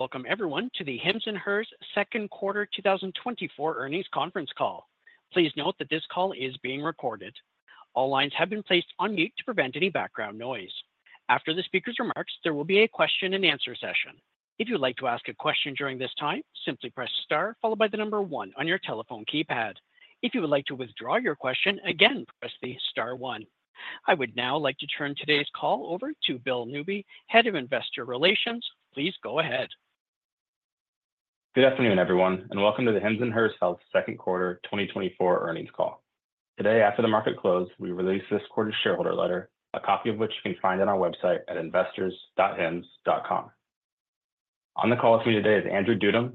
Welcome, everyone, to the Hims & Hers Second Quarter 2024 Earnings Conference Call. Please note that this call is being recorded. All lines have been placed on mute to prevent any background noise. After the speaker's remarks, there will be a question-and-answer session. If you'd like to ask a question during this time, simply press star followed by the number one on your telephone keypad. If you would like to withdraw your question, again, press the star one. I would now like to turn today's call over to Bill Newby, Head of Investor Relations. Please go ahead. Good afternoon, everyone, and welcome to the Hims & Hers Health Second Quarter 2024 Earnings Call. Today, after the market closed, we released this quarter's shareholder letter, a copy of which you can find on our website at investors.hims.com. On the call with me today is Andrew Dudum,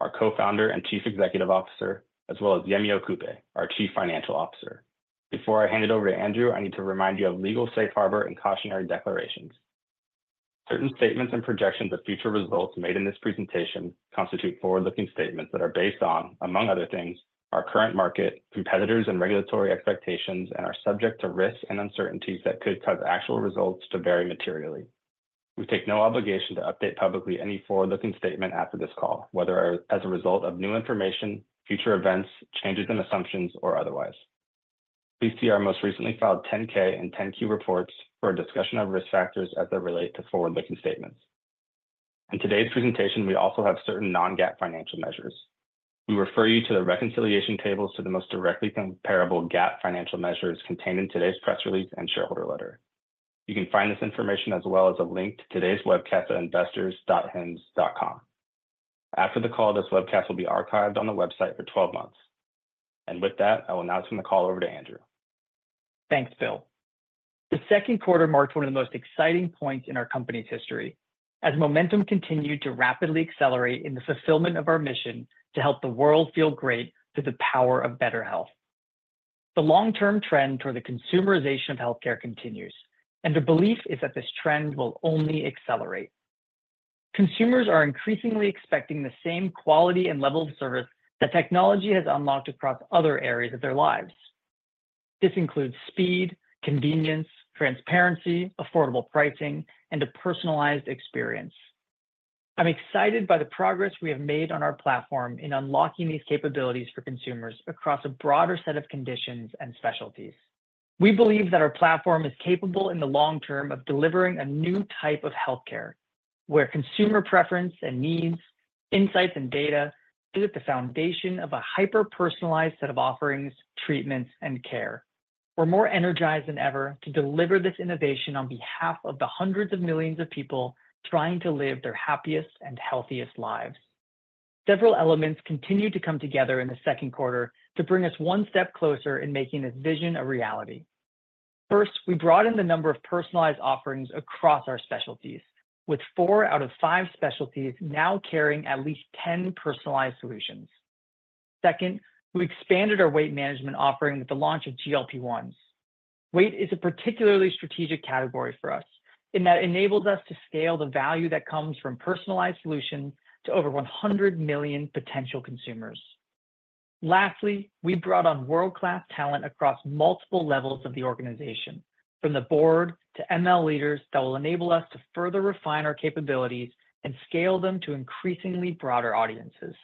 our Co-Founder and Chief Executive Officer, as well as Yemi Okupe, our Chief Financial Officer. Before I hand it over to Andrew, I need to remind you of legal safe harbor and cautionary declarations. Certain statements and projections of future results made in this presentation constitute forward-looking statements that are based on, among other things, our current market, competitors' and regulatory expectations, and are subject to risks and uncertainties that could cause actual results to vary materially. We take no obligation to update publicly any forward-looking statement after this call, whether as a result of new information, future events, changes in assumptions, or otherwise. Please see our most recently filed 10-K and 10-Q reports for a discussion of risk factors as they relate to forward-looking statements. In today's presentation, we also have certain non-GAAP financial measures. We refer you to the reconciliation tables to the most directly comparable GAAP financial measures contained in today's press release and shareholder letter. You can find this information as well as a link to today's webcast at investors.hims.com. After the call, this webcast will be archived on the website for 12 months. With that, I will now turn the call over to Andrew. Thanks, Bill. The second quarter marked one of the most exciting points in our company's history as momentum continued to rapidly accelerate in the fulfillment of our mission to help the world feel great through the power of better health. The long-term trend toward the consumerization of healthcare continues, and the belief is that this trend will only accelerate. Consumers are increasingly expecting the same quality and level of service that technology has unlocked across other areas of their lives. This includes speed, convenience, transparency, affordable pricing, and a personalized experience. I'm excited by the progress we have made on our platform in unlocking these capabilities for consumers across a broader set of conditions and specialties. We believe that our platform is capable in the long term of delivering a new type of healthcare where consumer preference and needs, insights, and data sit at the foundation of a hyper-personalized set of offerings, treatments, and care. We're more energized than ever to deliver this innovation on behalf of the hundreds of millions of people trying to live their happiest and healthiest lives. Several elements continue to come together in the second quarter to bring us one step closer in making this vision a reality. First, we broadened the number of personalized offerings across our specialties, with four out of five specialties now carrying at least 10 personalized solutions. Second, we expanded our weight management offering with the launch of GLP-1s. Weight is a particularly strategic category for us in that it enables us to scale the value that comes from personalized solutions to over 100 million potential consumers. Lastly, we brought on world-class talent across multiple levels of the organization, from the board to ML leaders that will enable us to further refine our capabilities and scale them to increasingly broader audiences.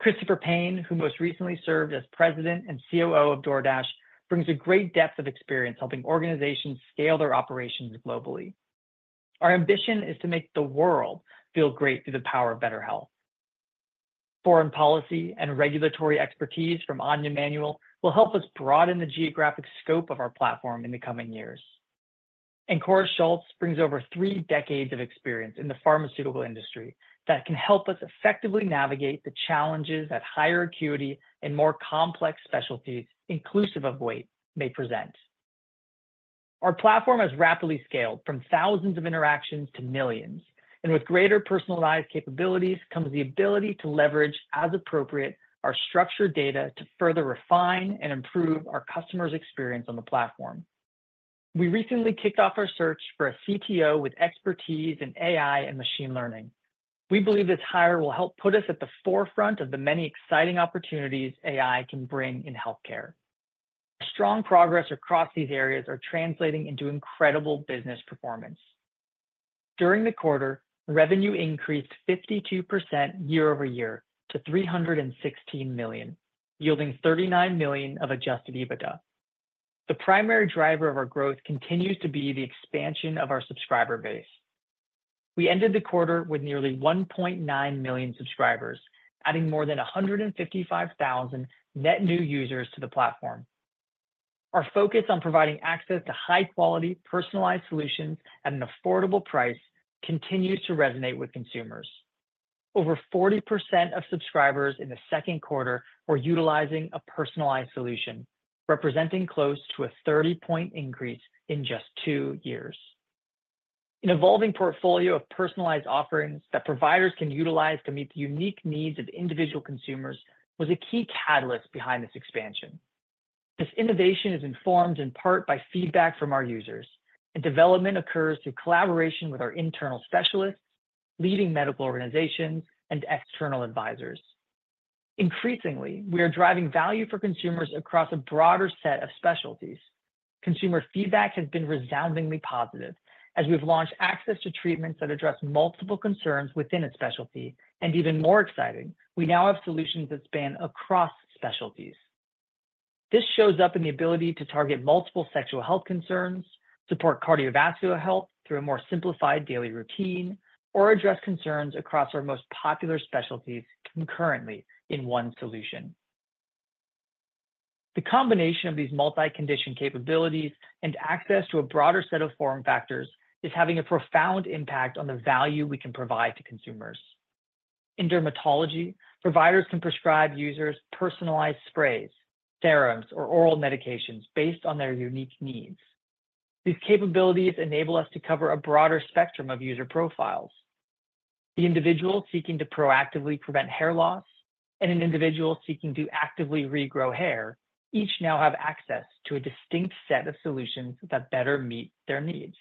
Christopher Payne, who most recently served as President and COO of DoorDash, brings a great depth of experience helping organizations scale their operations globally. Our ambition is to make the world feel great through the power of better health. Foreign policy and regulatory expertise from Anja Manuel will help us broaden the geographic scope of our platform in the coming years. Kåre Schultz brings over three decades of experience in the pharmaceutical industry that can help us effectively navigate the challenges that higher acuity and more complex specialties, inclusive of weight, may present. Our platform has rapidly scaled from thousands of interactions to millions, and with greater personalized capabilities comes the ability to leverage, as appropriate, our structured data to further refine and improve our customers' experience on the platform. We recently kicked off our search for a CTO with expertise in AI and machine learning. We believe this hire will help put us at the forefront of the many exciting opportunities AI can bring in healthcare. Strong progress across these areas is translating into incredible business performance. During the quarter, revenue increased 52% year-over-year to $316 million, yielding $39 million of Adjusted EBITDA. The primary driver of our growth continues to be the expansion of our subscriber base. We ended the quarter with nearly 1.9 million subscribers, adding more than 155,000 net new users to the platform. Our focus on providing access to high-quality, personalized solutions at an affordable price continues to resonate with consumers. Over 40% of subscribers in the second quarter were utilizing a personalized solution, representing close to a 30-point increase in just two years. An evolving portfolio of personalized offerings that providers can utilize to meet the unique needs of individual consumers was a key catalyst behind this expansion. This innovation is informed in part by feedback from our users, and development occurs through collaboration with our internal specialists, leading medical organizations, and external advisors. Increasingly, we are driving value for consumers across a broader set of specialties. Consumer feedback has been resoundingly positive as we've launched access to treatments that address multiple concerns within a specialty, and even more exciting, we now have solutions that span across specialties. This shows up in the ability to target multiple sexual health concerns, support cardiovascular health through a more simplified daily routine, or address concerns across our most popular specialties concurrently in one solution. The combination of these multi-condition capabilities and access to a broader set of form factors is having a profound impact on the value we can provide to consumers. In dermatology, providers can prescribe users personalized sprays, serums, or oral medications based on their unique needs. These capabilities enable us to cover a broader spectrum of user profiles. The individual seeking to proactively prevent hair loss and an individual seeking to actively regrow hair each now have access to a distinct set of solutions that better meet their needs.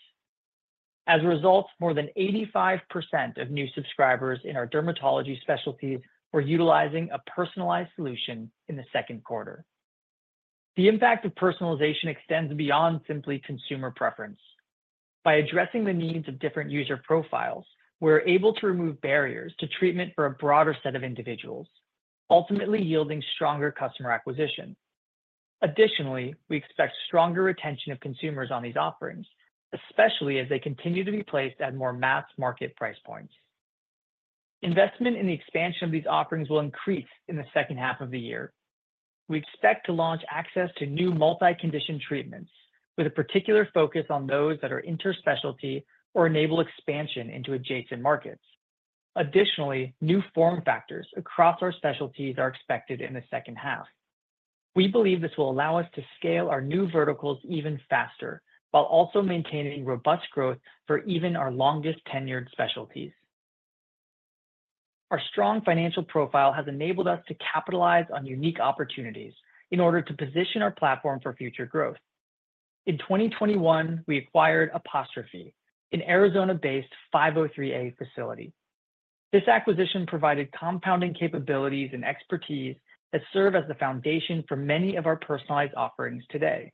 As a result, more than 85% of new subscribers in our dermatology specialties were utilizing a personalized solution in the second quarter. The impact of personalization extends beyond simply consumer preference. By addressing the needs of different user profiles, we're able to remove barriers to treatment for a broader set of individuals, ultimately yielding stronger customer acquisition. Additionally, we expect stronger retention of consumers on these offerings, especially as they continue to be placed at more mass market price points. Investment in the expansion of these offerings will increase in the second half of the year. We expect to launch access to new multi-condition treatments with a particular focus on those that are interspecialty or enable expansion into adjacent markets. Additionally, new form factors across our specialties are expected in the second half. We believe this will allow us to scale our new verticals even faster while also maintaining robust growth for even our longest-tenured specialties. Our strong financial profile has enabled us to capitalize on unique opportunities in order to position our platform for future growth. In 2021, we acquired Apostrophe, an Arizona-based 503A facility. This acquisition provided compounding capabilities and expertise that serve as the foundation for many of our personalized offerings today.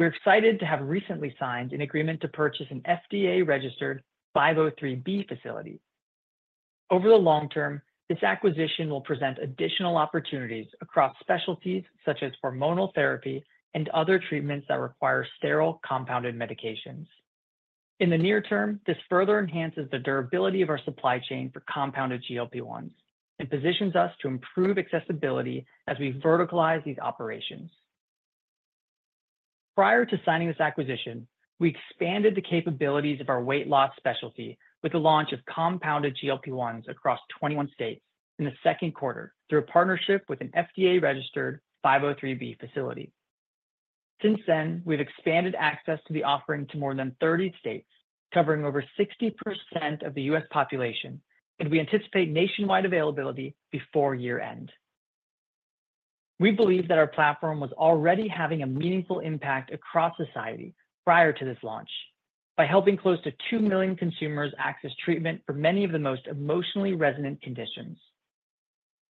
We're excited to have recently signed an agreement to purchase an FDA-registered 503B facility. Over the long term, this acquisition will present additional opportunities across specialties such as hormonal therapy and other treatments that require sterile compounded medications. In the near term, this further enhances the durability of our supply chain for compounded GLP-1s and positions us to improve accessibility as we verticalize these operations. Prior to signing this acquisition, we expanded the capabilities of our weight loss specialty with the launch of compounded GLP-1s across 21 states in the second quarter through a partnership with an FDA-registered 503B facility. Since then, we've expanded access to the offering to more than 30 states, covering over 60% of the U.S. population, and we anticipate nationwide availability before year-end. We believe that our platform was already having a meaningful impact across society prior to this launch by helping close to 2 million consumers access treatment for many of the most emotionally resonant conditions.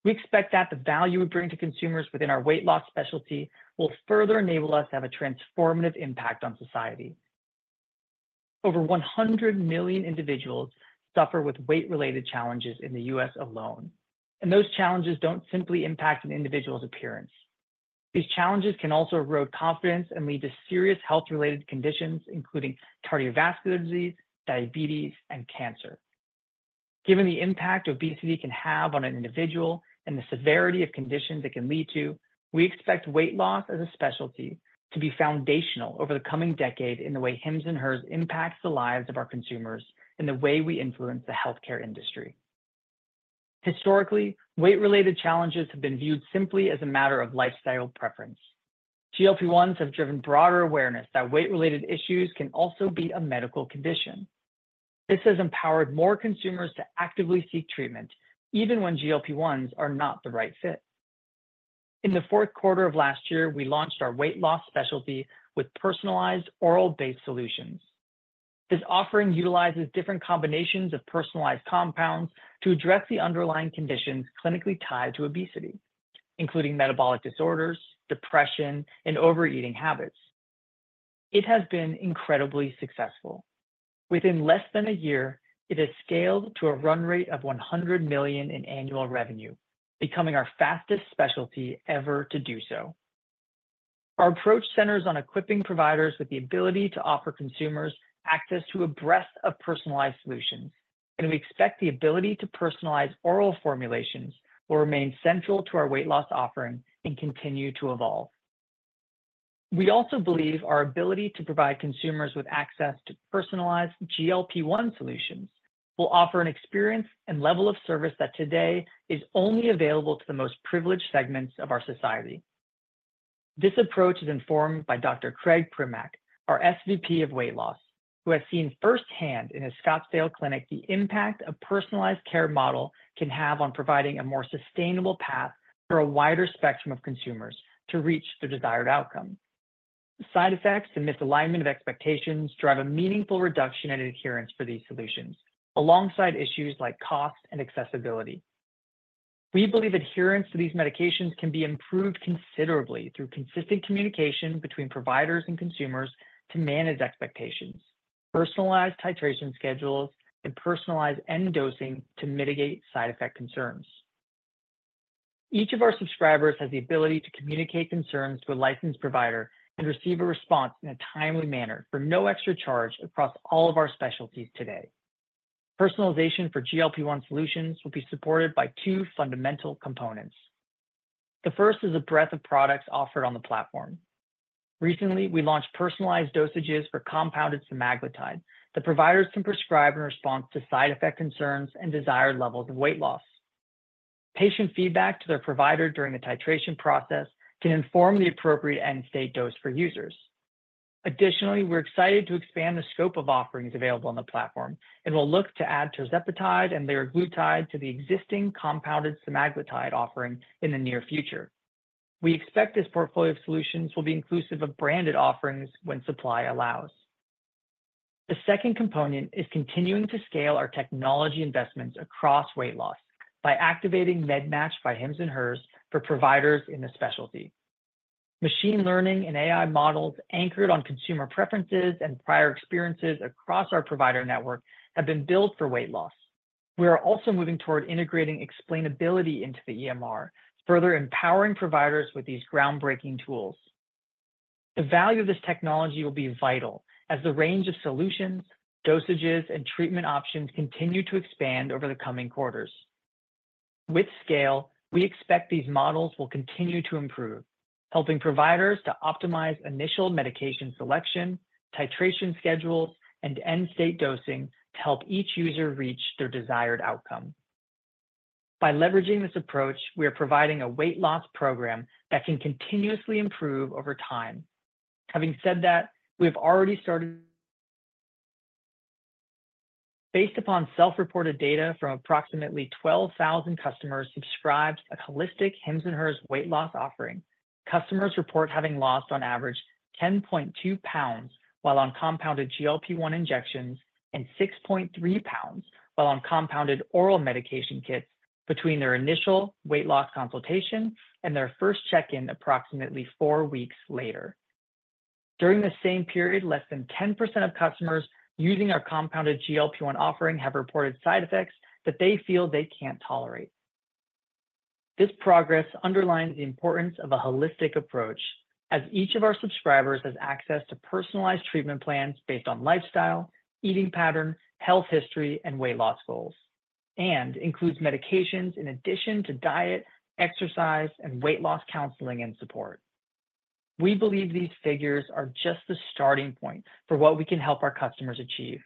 We expect that the value we bring to consumers within our weight loss specialty will further enable us to have a transformative impact on society. Over 100 million individuals suffer with weight-related challenges in the U.S. alone, and those challenges don't simply impact an individual's appearance. These challenges can also erode confidence and lead to serious health-related conditions, including cardiovascular disease, diabetes, and cancer. Given the impact obesity can have on an individual and the severity of conditions it can lead to, we expect weight loss as a specialty to be foundational over the coming decade in the way Hims & Hers impacts the lives of our consumers and the way we influence the healthcare industry. Historically, weight-related challenges have been viewed simply as a matter of lifestyle preference. GLP-1s have driven broader awareness that weight-related issues can also be a medical condition. This has empowered more consumers to actively seek treatment, even when GLP-1s are not the right fit. In the fourth quarter of last year, we launched our weight loss specialty with personalized oral-based solutions. This offering utilizes different combinations of personalized compounds to address the underlying conditions clinically tied to obesity, including metabolic disorders, depression, and overeating habits. It has been incredibly successful. Within less than a year, it has scaled to a run rate of $100 million in annual revenue, becoming our fastest specialty ever to do so. Our approach centers on equipping providers with the ability to offer consumers access to a breadth of personalized solutions, and we expect the ability to personalize oral formulations will remain central to our weight loss offering and continue to evolve. We also believe our ability to provide consumers with access to personalized GLP-1 solutions will offer an experience and level of service that today is only available to the most privileged segments of our society. This approach is informed by Dr. Craig Primack, our SVP of Weight Loss, who has seen firsthand in his Scottsdale clinic the impact a personalized care model can have on providing a more sustainable path for a wider spectrum of consumers to reach their desired outcome. Side effects and misalignment of expectations drive a meaningful reduction in adherence for these solutions, alongside issues like cost and accessibility. We believe adherence to these medications can be improved considerably through consistent communication between providers and consumers to manage expectations, personalized titration schedules, and personalized end dosing to mitigate side effect concerns. Each of our subscribers has the ability to communicate concerns to a licensed provider and receive a response in a timely manner for no extra charge across all of our specialties today. Personalization for GLP-1 solutions will be supported by two fundamental components. The first is the breadth of products offered on the platform. Recently, we launched personalized dosages for compounded semaglutide that providers can prescribe in response to side effect concerns and desired levels of weight loss. Patient feedback to their provider during the titration process can inform the appropriate end state dose for users. Additionally, we're excited to expand the scope of offerings available on the platform and will look to add tirzepatide and liraglutide to the existing compounded semaglutide offering in the near future. We expect this portfolio of solutions will be inclusive of branded offerings when supply allows. The second component is continuing to scale our technology investments across weight loss by activating MedMatch by Hims & Hers for providers in the specialty. Machine learning and AI models anchored on consumer preferences and prior experiences across our provider network have been built for weight loss. We are also moving toward integrating explainability into the EMR, further empowering providers with these groundbreaking tools. The value of this technology will be vital as the range of solutions, dosages, and treatment options continue to expand over the coming quarters. With scale, we expect these models will continue to improve, helping providers to optimize initial medication selection, titration schedules, and end state dosing to help each user reach their desired outcome. By leveraging this approach, we are providing a weight loss program that can continuously improve over time. Having said that, we have already started. Based upon self-reported data from approximately 12,000 customers subscribed to a holistic Hims & Hers weight loss offering, customers report having lost, on average, 10.2 pounds while on compounded GLP-1 injections and 6.3 pounds while on compounded oral medication kits between their initial weight loss consultation and their first check-in approximately four weeks later. During the same period, less than 10% of customers using our compounded GLP-1 offering have reported side effects that they feel they can't tolerate. This progress underlines the importance of a holistic approach, as each of our subscribers has access to personalized treatment plans based on lifestyle, eating pattern, health history, and weight loss goals, and includes medications in addition to diet, exercise, and weight loss counseling and support. We believe these figures are just the starting point for what we can help our customers achieve.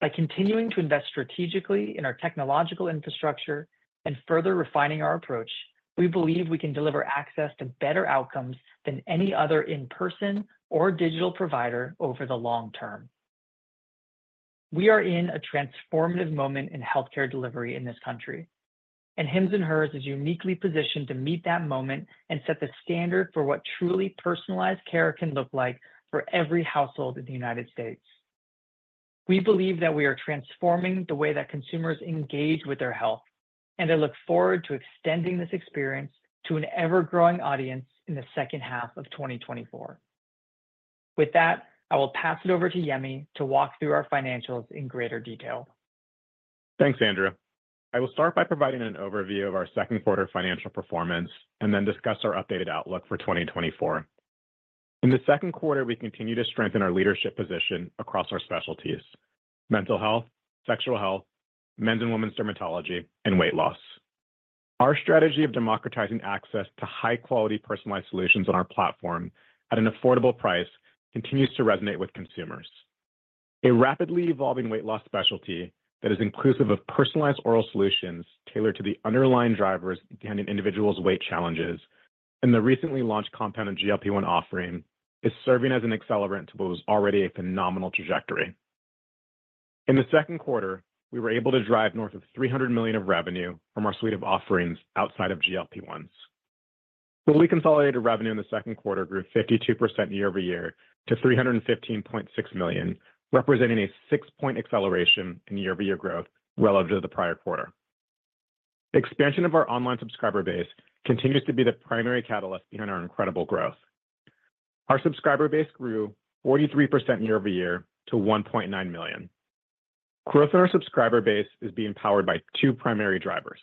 By continuing to invest strategically in our technological infrastructure and further refining our approach, we believe we can deliver access to better outcomes than any other in-person or digital provider over the long term. We are in a transformative moment in healthcare delivery in this country, and Hims & Hers is uniquely positioned to meet that moment and set the standard for what truly personalized care can look like for every household in the United States. We believe that we are transforming the way that consumers engage with their health, and I look forward to extending this experience to an ever-growing audience in the second half of 2024. With that, I will pass it over to Yemi to walk through our financials in greater detail. Thanks, Andrew. I will start by providing an overview of our second quarter financial performance and then discuss our updated outlook for 2024. In the second quarter, we continue to strengthen our leadership position across our specialties: mental health, sexual health, men's and women's dermatology, and weight loss. Our strategy of democratizing access to high-quality personalized solutions on our platform at an affordable price continues to resonate with consumers. A rapidly evolving weight loss specialty that is inclusive of personalized oral solutions tailored to the underlying drivers behind an individual's weight challenges and the recently launched compounded GLP-1 offering is serving as an accelerant to what was already a phenomenal trajectory. In the second quarter, we were able to drive north of $300 million of revenue from our suite of offerings outside of GLP-1s. Fully consolidated revenue in the second quarter grew 52% year-over-year to $315.6 million, representing a six-point acceleration in year-over-year growth relative to the prior quarter. Expansion of our online subscriber base continues to be the primary catalyst behind our incredible growth. Our subscriber base grew 43% year-over-year to 1.9 million. Growth in our subscriber base is being powered by two primary drivers.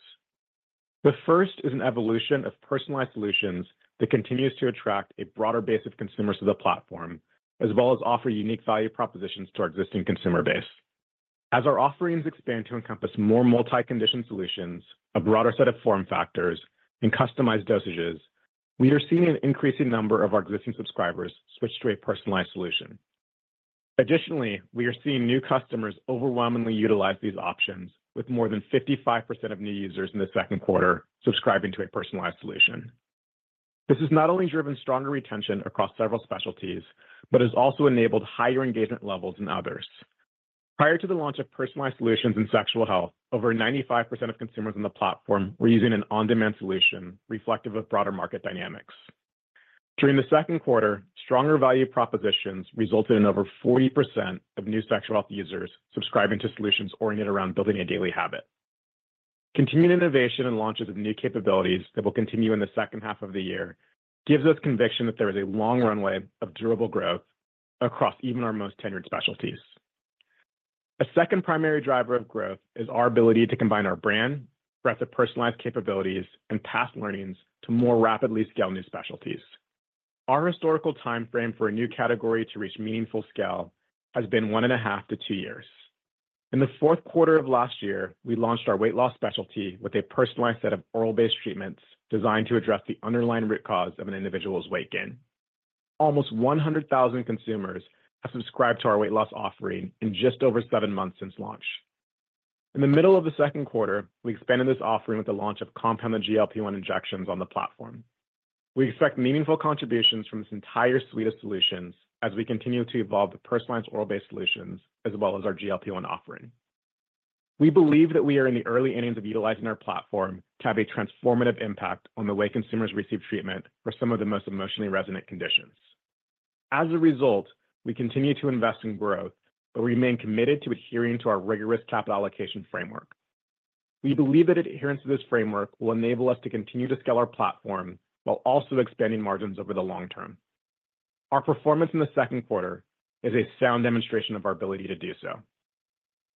The first is an evolution of personalized solutions that continues to attract a broader base of consumers to the platform, as well as offer unique value propositions to our existing consumer base. As our offerings expand to encompass more multi-condition solutions, a broader set of form factors, and customized dosages, we are seeing an increasing number of our existing subscribers switch to a personalized solution. Additionally, we are seeing new customers overwhelmingly utilize these options, with more than 55% of new users in the second quarter subscribing to a personalized solution. This has not only driven stronger retention across several specialties but has also enabled higher engagement levels in others. Prior to the launch of personalized solutions in sexual health, over 95% of consumers on the platform were using an on-demand solution reflective of broader market dynamics. During the second quarter, stronger value propositions resulted in over 40% of new sexual health users subscribing to solutions oriented around building a daily habit. Continued innovation and launches of new capabilities that will continue in the second half of the year give us conviction that there is a long runway of durable growth across even our most tenured specialties. A second primary driver of growth is our ability to combine our brand, breadth of personalized capabilities, and past learnings to more rapidly scale new specialties. Our historical timeframe for a new category to reach meaningful scale has been 1.5-2 years. In the fourth quarter of last year, we launched our weight loss specialty with a personalized set of oral-based treatments designed to address the underlying root cause of an individual's weight gain. Almost 100,000 consumers have subscribed to our weight loss offering in just over seven months since launch. In the middle of the second quarter, we expanded this offering with the launch of compounded GLP-1 injections on the platform. We expect meaningful contributions from this entire suite of solutions as we continue to evolve the personalized oral-based solutions as well as our GLP-1 offering. We believe that we are in the early innings of utilizing our platform to have a transformative impact on the way consumers receive treatment for some of the most emotionally resonant conditions. As a result, we continue to invest in growth but remain committed to adhering to our rigorous capital allocation framework. We believe that adherence to this framework will enable us to continue to scale our platform while also expanding margins over the long term. Our performance in the second quarter is a sound demonstration of our ability to do so.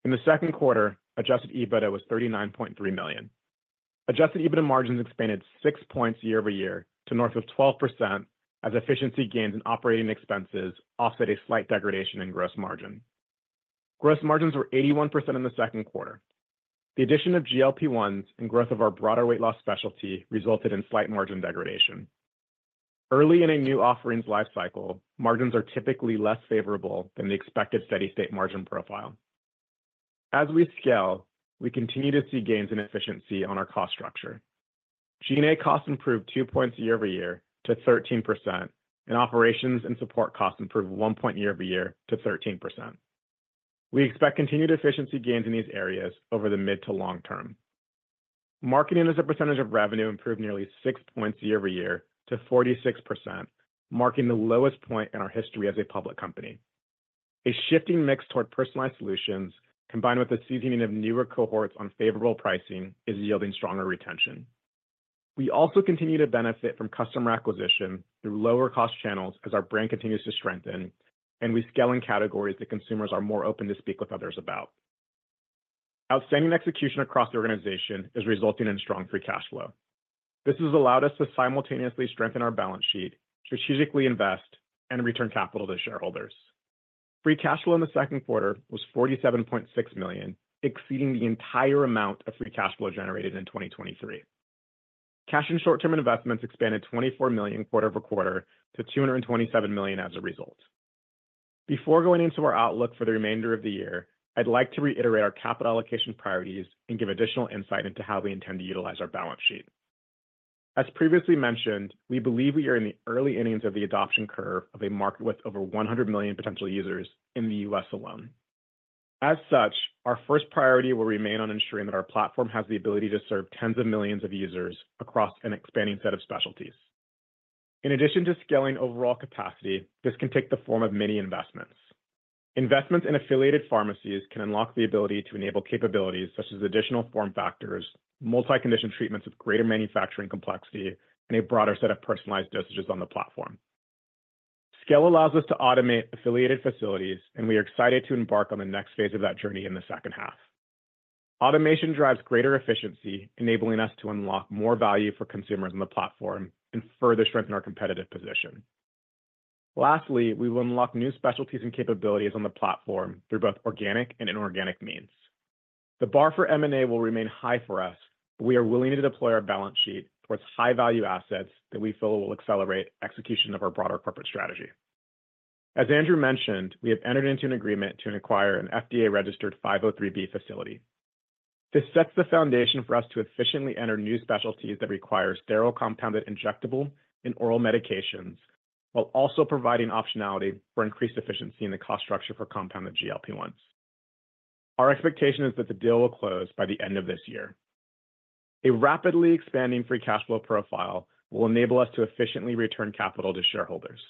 In the second quarter, Adjusted EBITDA was $39.3 million. Adjusted EBITDA margins expanded six points year-over-year to north of 12% as efficiency gains in operating expenses offset a slight degradation in gross margin. Gross margins were 81% in the second quarter. The addition of GLP-1s and growth of our broader weight loss specialty resulted in slight margin degradation. Early in a new offering's life cycle, margins are typically less favorable than the expected steady-state margin profile. As we scale, we continue to see gains in efficiency on our cost structure. G&A costs improved two points year-over-year to 13%, and operations and support costs improved one point year-over-year to 13%. We expect continued efficiency gains in these areas over the mid to long term. Marketing as a percentage of revenue improved nearly 6 points year-over-year to 46%, marking the lowest point in our history as a public company. A shifting mix toward personalized solutions, combined with the seasoning of newer cohorts on favorable pricing, is yielding stronger retention. We also continue to benefit from customer acquisition through lower-cost channels as our brand continues to strengthen, and we scale in categories that consumers are more open to speak with others about. Outstanding execution across the organization is resulting in strong free cash flow. This has allowed us to simultaneously strengthen our balance sheet, strategically invest, and return capital to shareholders. Free cash flow in the second quarter was $47.6 million, exceeding the entire amount of free cash flow generated in 2023. Cash and short-term investments expanded $24 million quarter-over-quarter to $227 million as a result. Before going into our outlook for the remainder of the year, I'd like to reiterate our capital allocation priorities and give additional insight into how we intend to utilize our balance sheet. As previously mentioned, we believe we are in the early innings of the adoption curve of a market with over 100 million potential users in the U.S. alone. As such, our first priority will remain on ensuring that our platform has the ability to serve tens of millions of users across an expanding set of specialties. In addition to scaling overall capacity, this can take the form of mini investments. Investments in affiliated pharmacies can unlock the ability to enable capabilities such as additional form factors, multi-condition treatments with greater manufacturing complexity, and a broader set of personalized dosages on the platform. Scale allows us to automate affiliated facilities, and we are excited to embark on the next phase of that journey in the second half. Automation drives greater efficiency, enabling us to unlock more value for consumers on the platform and further strengthen our competitive position. Lastly, we will unlock new specialties and capabilities on the platform through both organic and inorganic means. The bar for M&A will remain high for us, but we are willing to deploy our balance sheet towards high-value assets that we feel will accelerate execution of our broader corporate strategy. As Andrew mentioned, we have entered into an agreement to acquire an FDA-registered 503B facility. This sets the foundation for us to efficiently enter new specialties that require sterile compounded injectable and oral medications while also providing optionality for increased efficiency in the cost structure for compounded GLP-1s. Our expectation is that the deal will close by the end of this year. A rapidly expanding free cash flow profile will enable us to efficiently return capital to shareholders.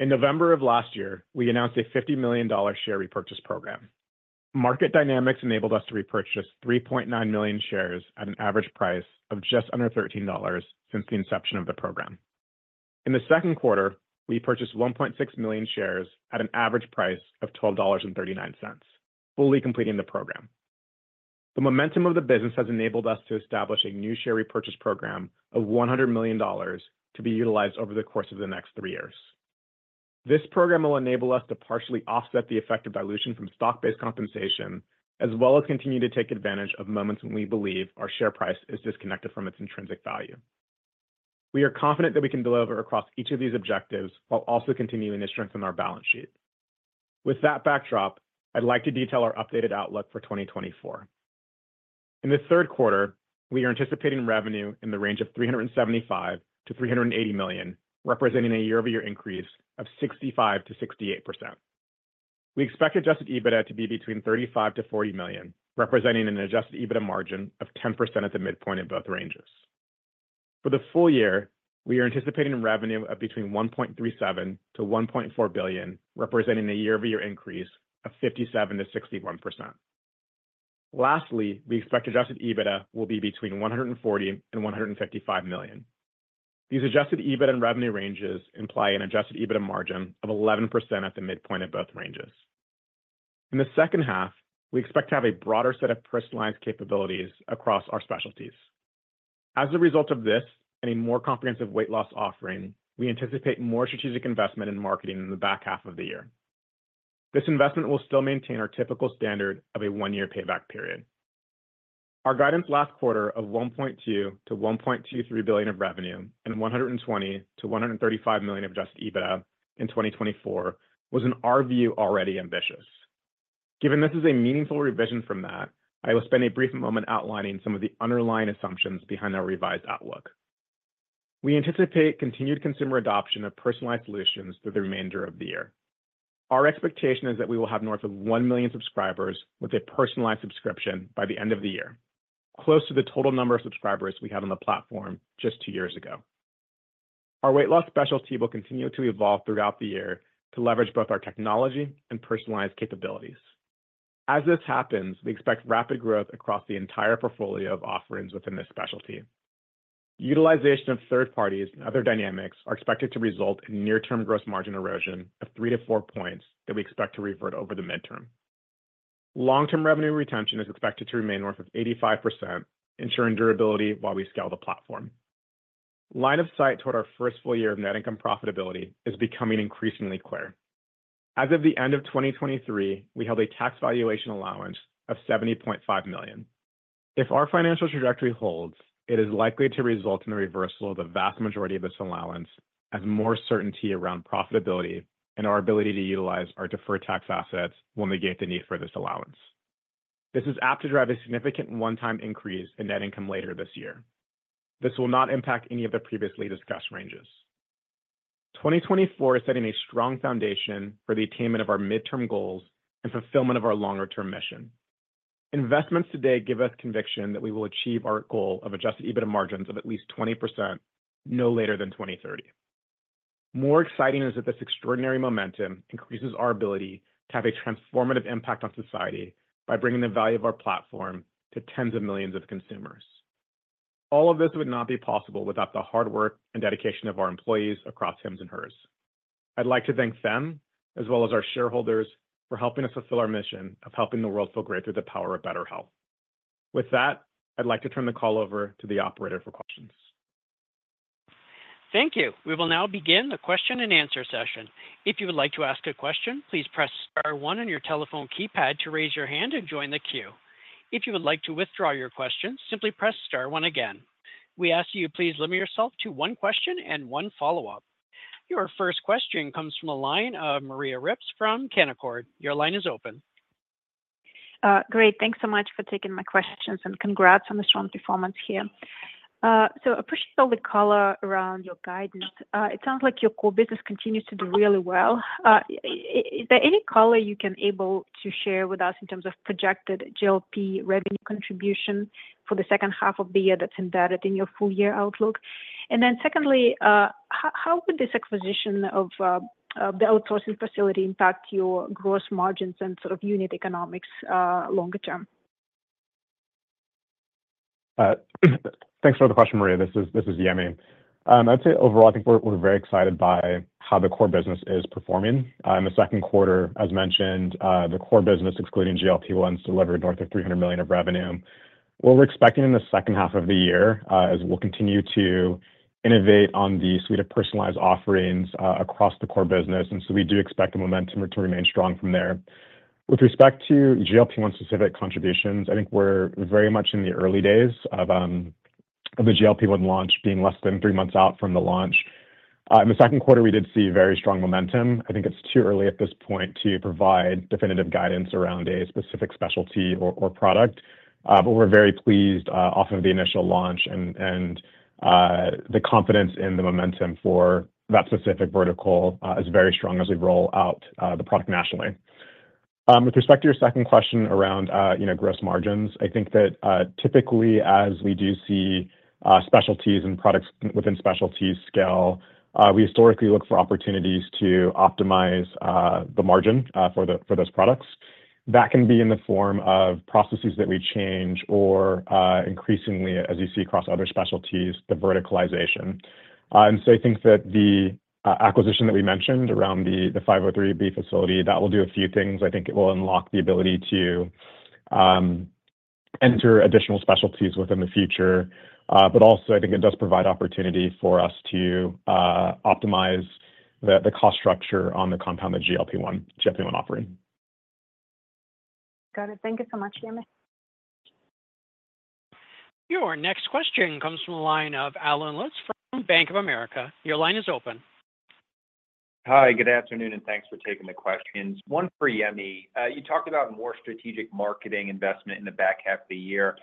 In November of last year, we announced a $50 million share repurchase program. Market dynamics enabled us to repurchase 3.9 million shares at an average price of just under $13 since the inception of the program. In the second quarter, we purchased 1.6 million shares at an average price of $12.39, fully completing the program. The momentum of the business has enabled us to establish a new share repurchase program of $100 million to be utilized over the course of the next three years. This program will enable us to partially offset the effect of dilution from stock-based compensation, as well as continue to take advantage of moments when we believe our share price is disconnected from its intrinsic value. We are confident that we can deliver across each of these objectives while also continuing to strengthen our balance sheet. With that backdrop, I'd like to detail our updated outlook for 2024. In the third quarter, we are anticipating revenue in the range of $375 million-$380 million, representing a year-over-year increase of 65%-68%. We expect Adjusted EBITDA to be between $35 million-$40 million, representing an Adjusted EBITDA margin of 10% at the midpoint in both ranges. For the full year, we are anticipating revenue of between $1.37 billion-$1.4 billion, representing a year-over-year increase of 57%-61%. Lastly, we expect Adjusted EBITDA will be between $140 million and $155 million. These Adjusted EBITDA and revenue ranges imply an Adjusted EBITDA margin of 11% at the midpoint in both ranges. In the second half, we expect to have a broader set of personalized capabilities across our specialties. As a result of this and a more comprehensive weight loss offering, we anticipate more strategic investment in marketing in the back half of the year. This investment will still maintain our typical standard of a one-year payback period. Our guidance last quarter of $1.2 billion-$1.23 billion of revenue and $120 million-$135 million of Adjusted EBITDA in 2024 was, in our view, already ambitious. Given this is a meaningful revision from that, I will spend a brief moment outlining some of the underlying assumptions behind our revised outlook. We anticipate continued consumer adoption of personalized solutions through the remainder of the year. Our expectation is that we will have north of 1 million subscribers with a personalized subscription by the end of the year, close to the total number of subscribers we had on the platform just two years ago. Our weight loss specialty will continue to evolve throughout the year to leverage both our technology and personalized capabilities. As this happens, we expect rapid growth across the entire portfolio of offerings within this specialty. Utilization of third parties and other dynamics are expected to result in near-term gross margin erosion of 3-4 points that we expect to revert over the midterm. Long-term revenue retention is expected to remain north of 85%, ensuring durability while we scale the platform. Line of sight toward our first full year of net income profitability is becoming increasingly clear. As of the end of 2023, we held a tax valuation allowance of $70.5 million. If our financial trajectory holds, it is likely to result in the reversal of the vast majority of this allowance, as more certainty around profitability and our ability to utilize our deferred tax assets will negate the need for this allowance. This is apt to drive a significant one-time increase in net Income later this year. This will not impact any of the previously discussed ranges. 2024 is setting a strong foundation for the attainment of our midterm goals and fulfillment of our longer-term mission. Investments today give us conviction that we will achieve our goal of Adjusted EBITDA margins of at least 20% no later than 2030. More exciting is that this extraordinary momentum increases our ability to have a transformative impact on society by bringing the value of our platform to tens of millions of consumers. All of this would not be possible without the hard work and dedication of our employees across Hims & Hers. I'd like to thank them, as well as our shareholders, for helping us fulfill our mission of helping the world feel great through the power of better health. With that, I'd like to turn the call over to the operator for questions. Thank you. We will now begin the question and answer session. If you would like to ask a question, please press Star 1 on your telephone keypad to raise your hand and join the queue. If you would like to withdraw your question, simply press Star 1 again. We ask you to please limit yourself to one question and one follow-up. Your first question comes from a line of Maria Ripps from Canaccord. Your line is open. Great. Thanks so much for taking my questions and congrats on the strong performance here. So I appreciate all the color around your guidance. It sounds like your core business continues to do really well. Is there any color you can be able to share with us in terms of projected GLP revenue contribution for the second half of the year that's embedded in your full-year outlook? And then secondly, how would this acquisition of the outsourcing facility impact your gross margins and sort of unit economics longer term? Thanks for the question, Maria. This is Yemi. I'd say overall, I think we're very excited by how the core business is performing in the second quarter. As mentioned, the core business, excluding GLP-1s, delivered north of $300 million of revenue. What we're expecting in the second half of the year is we'll continue to innovate on the suite of personalized offerings across the core business. And so we do expect the momentum to remain strong from there. With respect to GLP-1-specific contributions, I think we're very much in the early days of the GLP-1 launch being less than three months out from the launch. In the second quarter, we did see very strong momentum. I think it's too early at this point to provide definitive guidance around a specific specialty or product. But we're very pleased off of the initial launch, and the confidence in the momentum for that specific vertical is very strong as we roll out the product nationally. With respect to your second question around gross margins, I think that typically, as we do see specialties and products within specialties scale, we historically look for opportunities to optimize the margin for those products. That can be in the form of processes that we change or increasingly, as you see across other specialties, the verticalization. And so I think that the acquisition that we mentioned around the 503B facility, that will do a few things. I think it will unlock the ability to enter additional specialties within the future. But also, I think it does provide opportunity for us to optimize the cost structure on the compounded GLP-1 offering. Got it. Thank you so much, Yemi. Your next question comes from a line of Allen Lutz from Bank of America. Your line is open. Hi. Good afternoon, and thanks for taking the questions. One for Yemi. You talked about more strategic marketing investment in the back half of the year.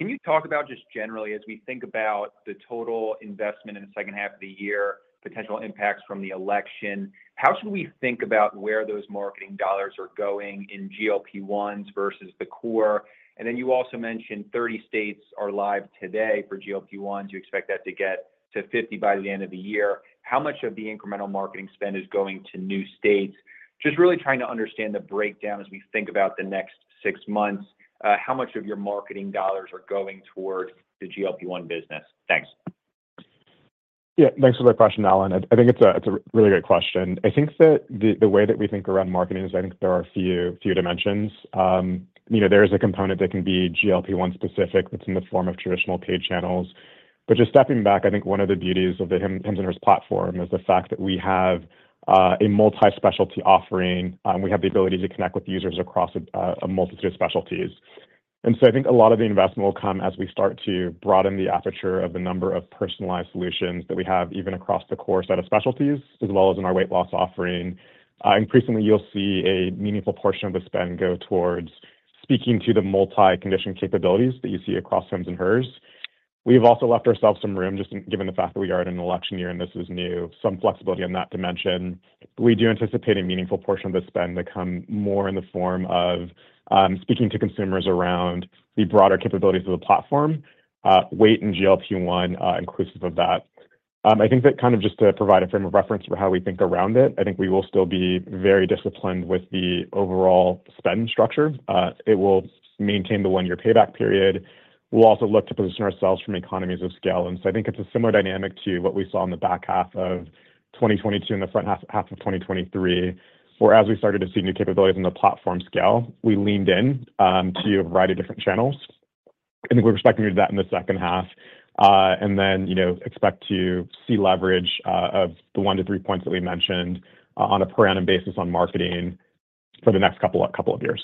Can you talk about just generally, as we think about the total investment in the second half of the year, potential impacts from the election, how should we think about where those marketing dollars are going in GLP-1s versus the core? And then you also mentioned 30 states are live today for GLP-1s. You expect that to get to 50 by the end of the year. How much of the incremental marketing spend is going to new states? Just really trying to understand the breakdown as we think about the next six months. How much of your marketing dollars are going towards the GLP-1 business? Thanks. Yeah. Thanks for the question, Allen. I think it's a really great question. I think that the way that we think around marketing is I think there are a few dimensions. There is a component that can be GLP-1-specific that's in the form of traditional paid channels. But just stepping back, I think one of the beauties of the Hims & Hers platform is the fact that we have a multi-specialty offering. We have the ability to connect with users across a multitude of specialties. And so I think a lot of the investment will come as we start to broaden the aperture of the number of personalized solutions that we have even across the core set of specialties, as well as in our weight loss offering. Increasingly, you'll see a meaningful portion of the spend go towards speaking to the multi-condition capabilities that you see across Hims & Hers. We have also left ourselves some room, just given the fact that we are in an election year and this is new, some flexibility on that dimension. We do anticipate a meaningful portion of the spend to come more in the form of speaking to consumers around the broader capabilities of the platform, weight in GLP-1, inclusive of that. I think that kind of just to provide a frame of reference for how we think around it, I think we will still be very disciplined with the overall spend structure. It will maintain the one-year payback period. We'll also look to position ourselves from economies of scale. And so, I think it's a similar dynamic to what we saw in the back half of 2022 and the front half of 2023, whereas we started to see new capabilities in the platform scale, we leaned in to a variety of different channels. I think we're expecting to do that in the second half. And then expect to see leverage of the 1-3 points that we mentioned on a per annum basis on marketing for the next couple of years.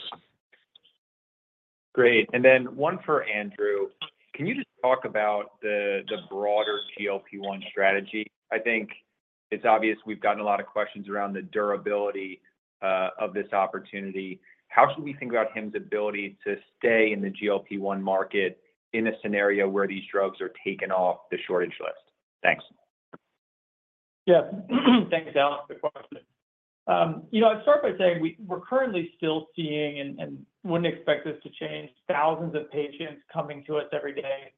Great. And then one for Andrew. Can you just talk about the broader GLP-1 strategy? I think it's obvious we've gotten a lot of questions around the durability of this opportunity. How should we think about Hims' ability to stay in the GLP-1 market in a scenario where these drugs are taken off the shortage list? Thanks. Yeah. Thanks, Allen, for the question. I'd start by saying we're currently still seeing, and wouldn't expect this to change, thousands of patients coming to us every day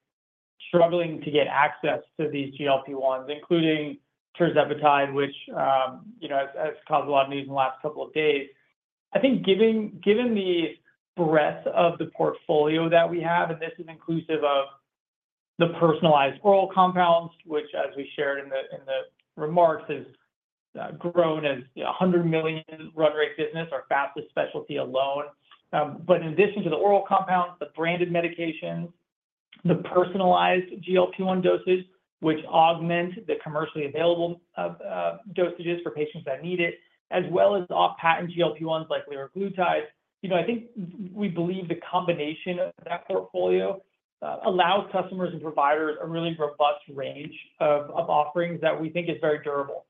struggling to get access to these GLP-1s, including tirzepatide, which has caused a lot of news in the last couple of days. I think given the breadth of the portfolio that we have, and this is inclusive of the personalized oral compounds, which, as we shared in the remarks, has grown as a $100 million run rate business, our fastest specialty alone. But in addition to the oral compounds, the branded medications, the personalized GLP-1 dosage, which augment the commercially available dosages for patients that need it, as well as off-patent GLP-1s like liraglutide, I think we believe the combination of that portfolio allows customers and providers a really robust range of offerings that we think is very durable.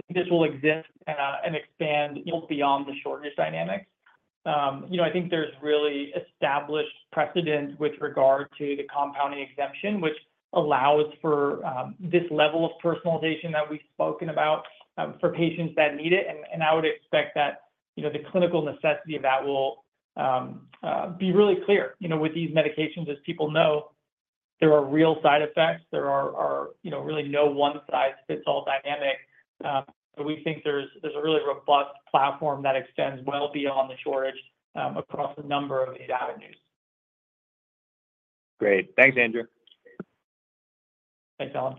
I think this will exist and expand beyond the shortage dynamics. I think there's really established precedent with regard to the compounding exemption, which allows for this level of personalization that we've spoken about for patients that need it. I would expect that the clinical necessity of that will be really clear with these medications, as people know there are real side effects. There are really no one-size-fits-all dynamic. We think there's a really robust platform that extends well beyond the shortage across a number of avenues. Great. Thanks, Andrew. Thanks, Alan.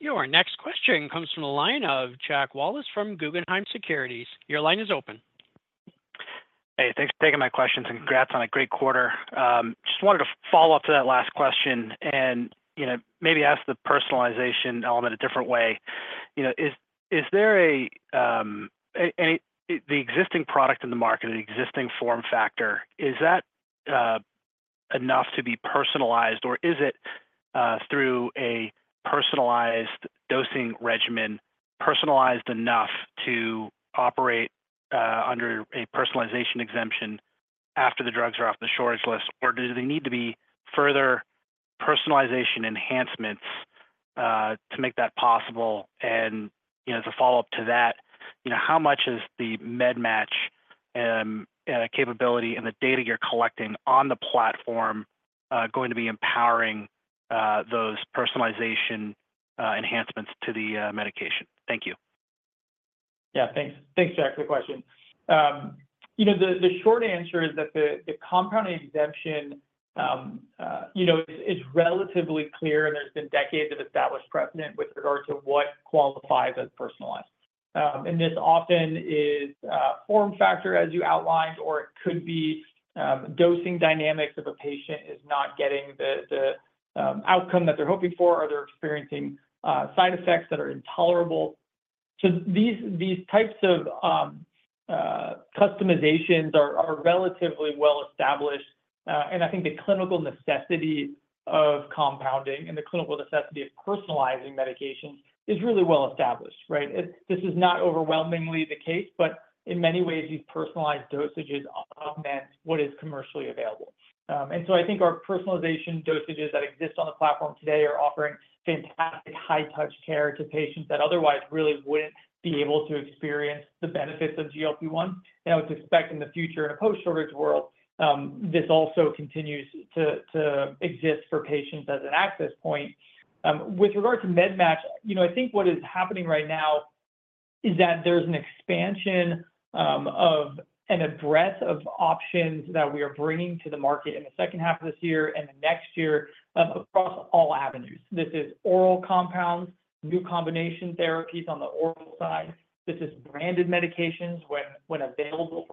Your next question comes from the line of Jack Wallace from Guggenheim Securities. Your line is open. Hey, than`ks for taking my questions and congrats on a great quarter. Just wanted to follow up to that last question and maybe ask the personalization element a different way. Is there the existing product in the market, an existing form factor, is that enough to be personalized, or is it through a personalized dosing regimen personalized enough to operate under a personalization exemption after the drugs are off the shortage list? Or do they need to be further personalization enhancements to make that possible? And as a follow-up to that, how much is the MedMatch capability and the data you're collecting on the platform going to be empowering those personalization enhancements to the medication? Thank you. Yeah. Thanks, Jack, for the question. The short answer is that the compounding exemption is relatively clear, and there's been decades of established precedent with regard to what qualifies as personalized. This often is a form factor, as you outlined, or it could be dosing dynamics of a patient is not getting the outcome that they're hoping for, or they're experiencing side effects that are intolerable. These types of customizations are relatively well-established. I think the clinical necessity of compounding and the clinical necessity of personalizing medications is really well-established, right? This is not overwhelmingly the case, but in many ways, these personalized dosages augment what is commercially available. So I think our personalization dosages that exist on the platform today are offering fantastic high-touch care to patients that otherwise really wouldn't be able to experience the benefits of GLP-1. I would expect in the future, in a post-shortage world, this also continues to exist for patients as an access point. With regard to MedMatch, I think what is happening right now is that there's an expansion of and a breadth of options that we are bringing to the market in the second half of this year and the next year across all avenues. This is oral compounds, new combination therapies on the oral side. This is branded medications when available,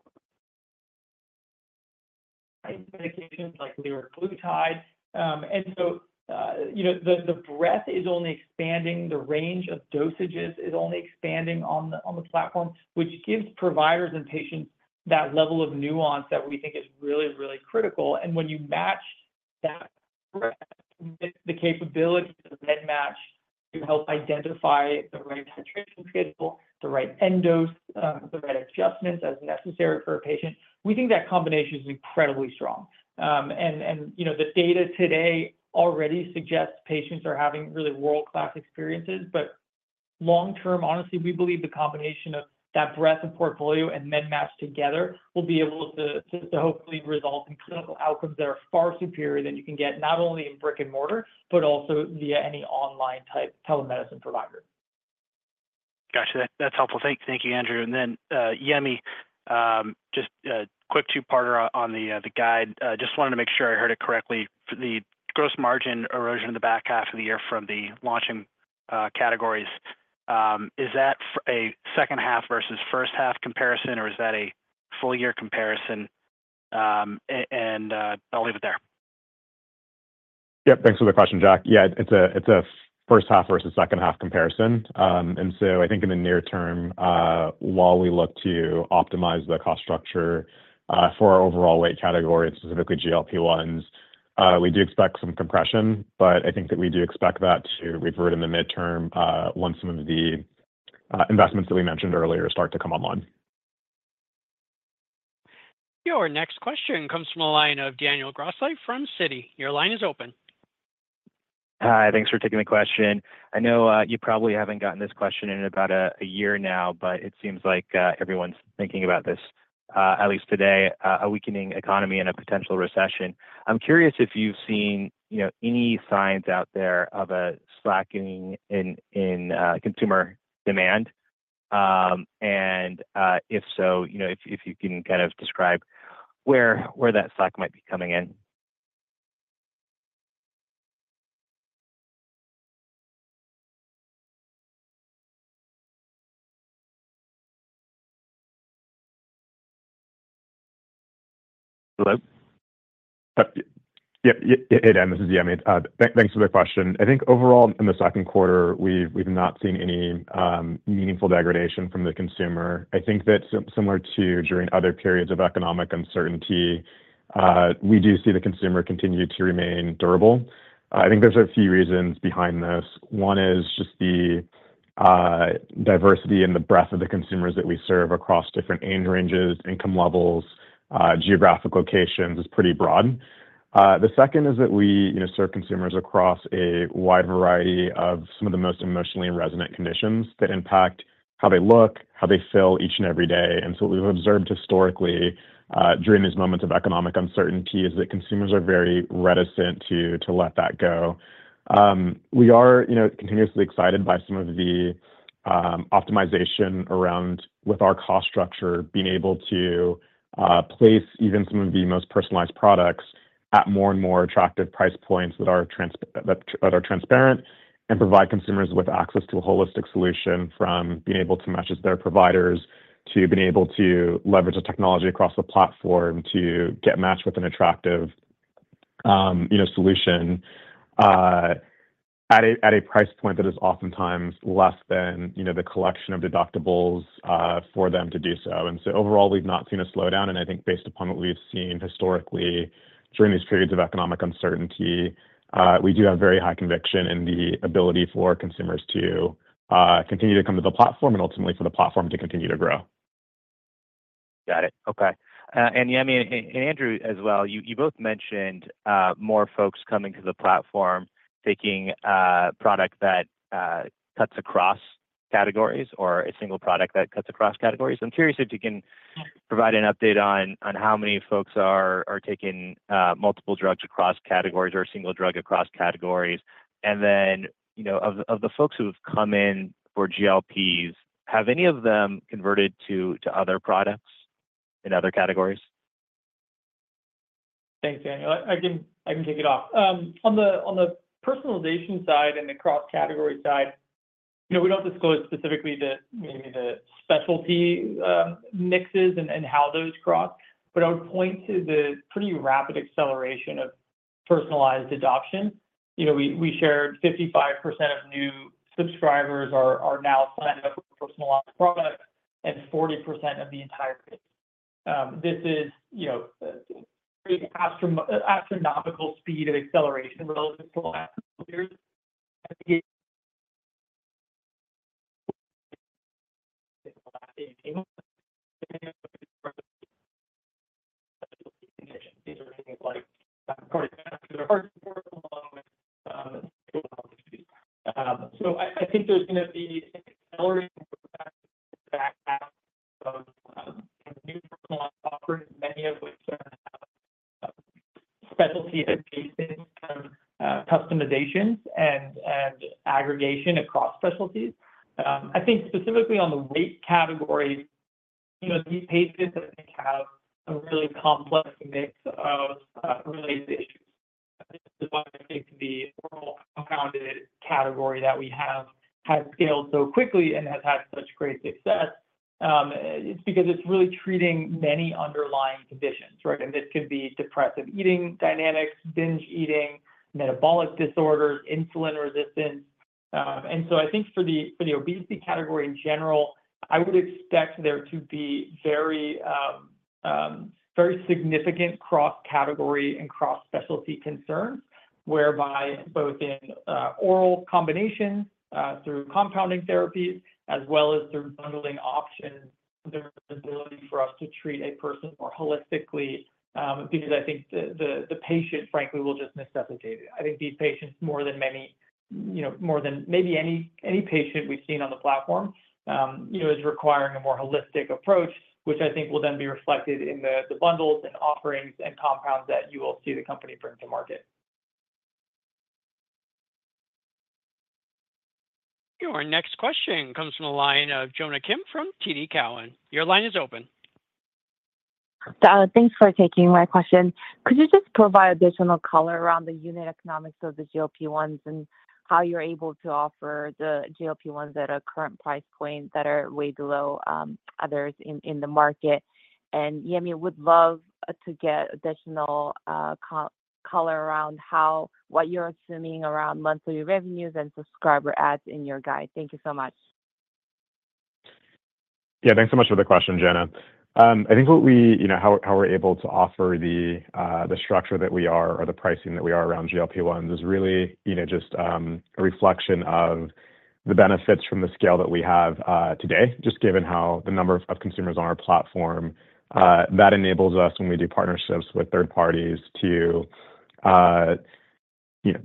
medications like liraglutide. And so the breadth is only expanding. The range of dosages is only expanding on the platform, which gives providers and patients that level of nuance that we think is really, really critical. When you match that breadth with the capability of MedMatch to help identify the right titration schedule, the right end dose, the right adjustments as necessary for a patient, we think that combination is incredibly strong. The data today already suggests patients are having really world-class experiences. But long-term, honestly, we believe the combination of that breadth of portfolio and MedMatch together will be able to hopefully result in clinical outcomes that are far superior than you can get not only in brick and mortar, but also via any online-type telemedicine provider. Gotcha. That's helpful. Thank you, Andrew. And then Yemi, just a quick two-parter on the guide. Just wanted to make sure I heard it correctly. The gross margin erosion in the back half of the year from the launching categories, is that a second half versus first half comparison, or is that a full-year comparison? And I'll leave it there. Yep. Thanks for the question, Jack. Yeah, it's a first half versus second half comparison. And so I think in the near term, while we look to optimize the cost structure for our overall weight category, specifically GLP-1s, we do expect some compression. But I think that we do expect that to revert in the midterm once some of the investments that we mentioned earlier start to come online. Your next question comes from a line of Daniel Grosslight from Citi. Your line is open. Hi. Thanks for taking the question. I know you probably haven't gotten this question in about a year now, but it seems like everyone's thinking about this, at least today: a weakening economy and a potential recession. I'm curious if you've seen any signs out there of a slacking in consumer demand. And if so, if you can kind of describe where that slack might be coming in. Hello? Yeah. Hey, Dan. This is Yemi. Thanks for the question. I think overall, in the second quarter, we've not seen any meaningful degradation from the consumer. I think that similar to during other periods of economic uncertainty, we do see the consumer continue to remain durable. I think there's a few reasons behind this. One is just the diversity and the breadth of the consumers that we serve across different age ranges, income levels, geographic locations is pretty broad. The second is that we serve consumers across a wide variety of some of the most emotionally resonant conditions that impact how they look, how they feel each and every day. And so what we've observed historically during these moments of economic uncertainty is that consumers are very reticent to let that go. We are continuously excited by some of the optimization around with our cost structure, being able to place even some of the most personalized products at more and more attractive price points that are transparent and provide consumers with access to a holistic solution from being able to match as their providers to being able to leverage a technology across the platform to get matched with an attractive solution at a price point that is oftentimes less than the collection of deductibles for them to do so. And so overall, we've not seen a slowdown. And I think based upon what we've seen historically during these periods of economic uncertainty, we do have very high conviction in the ability for consumers to continue to come to the platform and ultimately for the platform to continue to grow. Got it. Okay. And Yemi and Andrew as well, you both mentioned more folks coming to the platform, taking a product that cuts across categories or a single product that cuts across categories. I'm curious if you can provide an update on how many folks are taking multiple drugs across categories or a single drug across categories. And then of the folks who have come in for GLPs, have any of them converted to other products in other categories? Thanks, Daniel. I can take it off. On the personalization side and the cross-category side, we don't disclose specifically the specialty mixes and how those cross, but I would point to the pretty rapid acceleration of personalized adoption. We shared 55% of new subscribers are now signed up for personalized products and 40% of the entire base. This is astronomical speed of acceleration relative to the last couple of years. These are things like cardiovascular heart support along with. So I think there's going to be accelerating back of new personalized offerings, many of which are specialty-based customizations and aggregation across specialties. I think specifically on the weight category, these patients I think have a really complex mix of related issues. This is why I think the oral compounded category that we have has scaled so quickly and has had such great success. It's because it's really treating many underlying conditions, right? And this could be depressive eating dynamics, binge eating, metabolic disorders, insulin resistance. And so I think for the obesity category in general, I would expect there to be very significant cross-category and cross-specialty concerns whereby both in oral combinations through compounding therapies as well as through bundling options, there's an ability for us to treat a person more holistically because I think the patient, frankly, will just necessitate it. I think these patients, more than many, more than maybe any patient we've seen on the platform, is requiring a more holistic approach, which I think will then be reflected in the bundles and offerings and compounds that you will see the company bring to market. Your next question comes from a line of Jonna Kim from TD Cowen. Your line is open. Thanks for taking my question. Could you just provide additional color around the unit economics of the GLP-1s and how you're able to offer the GLP-1s at a current price point that are way below others in the market? And Yemi would love to get additional color around what you're assuming around monthly revenues and subscriber adds in your guide? Thank you so much. Yeah. Thanks so much for the question, Jonna. I think how we're able to offer the structure that we are or the pricing that we are around GLP-1s is really just a reflection of the benefits from the scale that we have today, just given how the number of consumers on our platform that enables us when we do partnerships with third parties to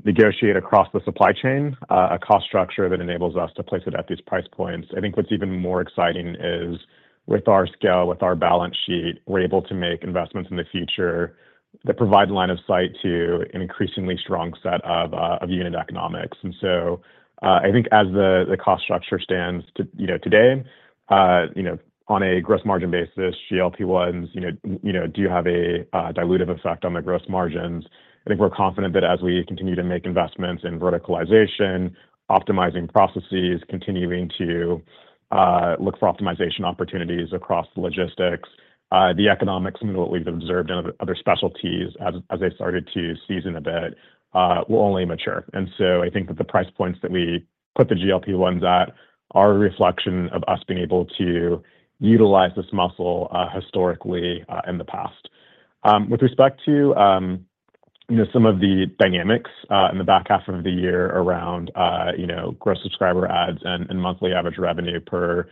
negotiate across the supply chain, a cost structure that enables us to place it at these price points. I think what's even more exciting is with our scale, with our balance sheet, we're able to make investments in the future that provide line of sight to an increasingly strong set of unit economics. And so I think as the cost structure stands today, on a gross margin basis, GLP-1s do have a dilutive effect on the gross margins. I think we're confident that as we continue to make investments in verticalization, optimizing processes, continuing to look for optimization opportunities across the logistics, the economics and what we've observed in other specialties as they started to season a bit will only mature. And so I think that the price points that we put the GLP-1s at are a reflection of us being able to utilize this muscle historically in the past. With respect to some of the dynamics in the back half of the year around gross subscriber adds and monthly average revenue per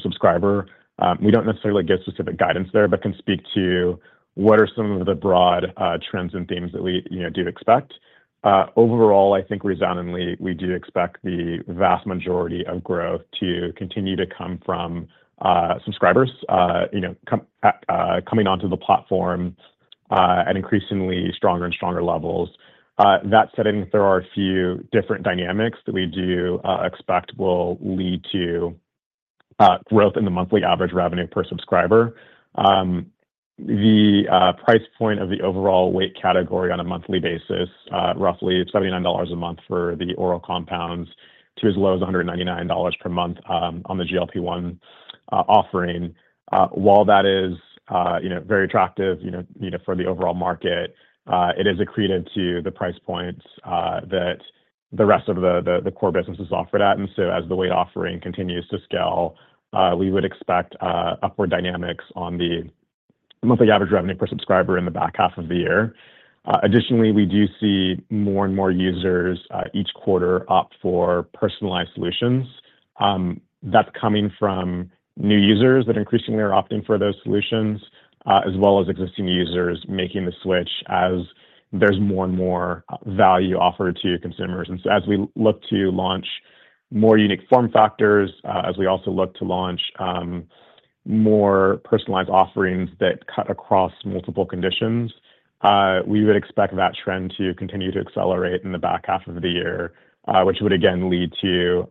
subscriber, we don't necessarily give specific guidance there but can speak to what are some of the broad trends and themes that we do expect. Overall, I think resoundingly, we do expect the vast majority of growth to continue to come from subscribers coming onto the platform at increasingly stronger and stronger levels. That said, I think there are a few different dynamics that we do expect will lead to growth in the monthly average revenue per subscriber. The price point of the overall weight category on a monthly basis, roughly $79 a month for the oral compounds, to as low as $199 per month on the GLP-1 offering. While that is very attractive for the overall market, it is accretive to the price points that the rest of the core business is offered at. And so as the weight offering continues to scale, we would expect upward dynamics on the monthly average revenue per subscriber in the back half of the year. Additionally, we do see more and more users each quarter opt for personalized solutions. That's coming from new users that increasingly are opting for those solutions, as well as existing users making the switch as there's more and more value offered to consumers. And so as we look to launch more unique form factors, as we also look to launch more personalized offerings that cut across multiple conditions, we would expect that trend to continue to accelerate in the back half of the year, which would again lead to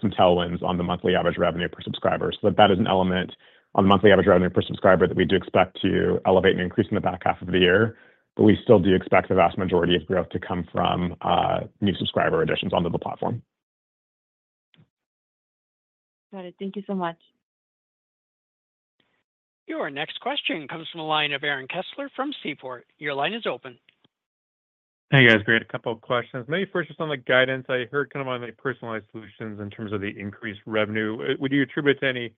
some tailwinds on the monthly average revenue per subscriber. So that is an element on the monthly average revenue per subscriber that we do expect to elevate and increase in the back half of the year. But we still do expect the vast majority of growth to come from new subscriber additions onto the platform. Got it. Thank you so much. Your next question comes from a line of Aaron Kessler from Seaport. Your line is open. Hey, guys. Great. A couple of questions. Maybe first, just on the guidance. I heard kind of on the personalized solutions in terms of the increased revenue. Would you attribute it to any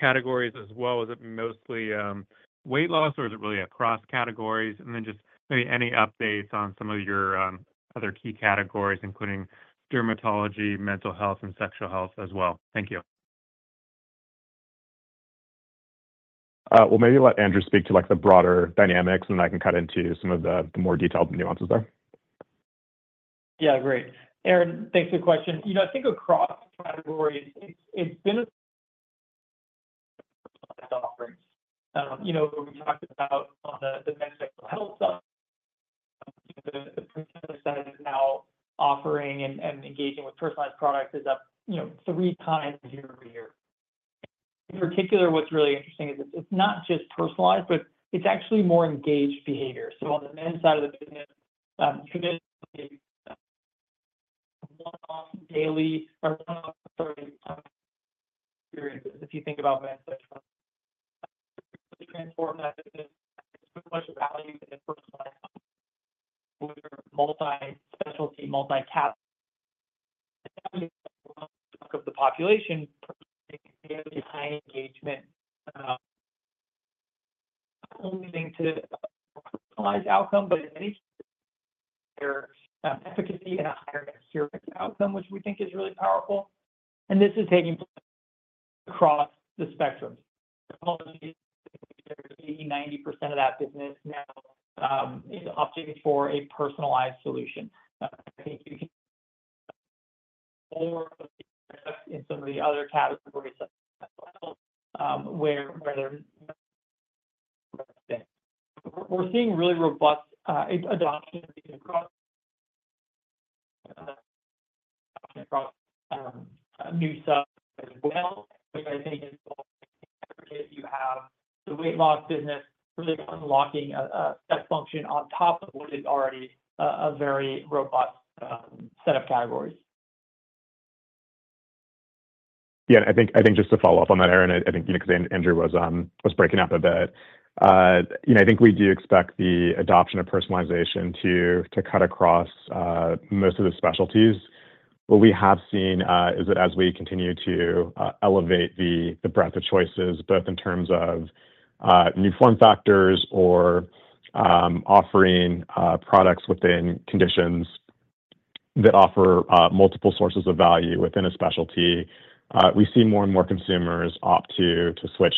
categories as well? Is it mostly weight loss, or is it really across categories? And then just maybe any updates on some of your other key categories, including dermatology, mental health, and sexual health as well. Thank you. Well, maybe let Andrew speak to the broader dynamics, and then I can cut into some of the more detailed nuances there. Yeah. Great. Aaron, thanks for the question. I think across categories, it's been a personalized offering. We talked about on the men's sexual health side, the personalized side is now offering and engaging with personalized products is up 3x year-over-year. In particular, what's really interesting is it's not just personalized, but it's actually more engaged behavior. So on the men's side of the business, you could basically have one-off daily or one-off experiences. If you think about men's sexual health, it really transformed that business. It's so much value in personalized offerings for multi-specialty, multi-categories. And that means that for most of the population, personalized is a high engagement, not only leading to a personalized outcome, but in any case, higher efficacy and a higher adherence outcome, which we think is really powerful. And this is taking place across the spectrum. Technology is 80%-90% of that business now is opting for a personalized solution. I think you can see more of the products in some of the other categories where they're more advanced. We're seeing really robust adoption across new subs as well, which I think is the weight loss business really unlocking a step function on top of what is already a very robust set of categories. Yeah. I think just to follow up on that, Aaron, I think because Andrew was breaking up a bit, I think we do expect the adoption of personalization to cut across most of the specialties. What we have seen is that as we continue to elevate the breadth of choices, both in terms of new form factors or offering products within conditions that offer multiple sources of value within a specialty, we see more and more consumers opt to switch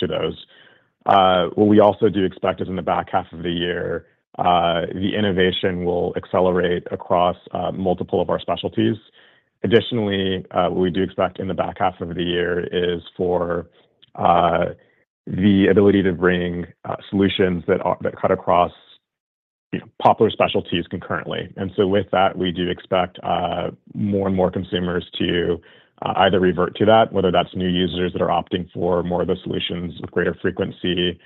to those. What we also do expect is in the back half of the year, the innovation will accelerate across multiple of our specialties. Additionally, what we do expect in the back half of the year is for the ability to bring solutions that cut across popular specialties concurrently. With that, we do expect more and more consumers to either revert to that, whether that's new users that are opting for more of the solutions with greater frequency,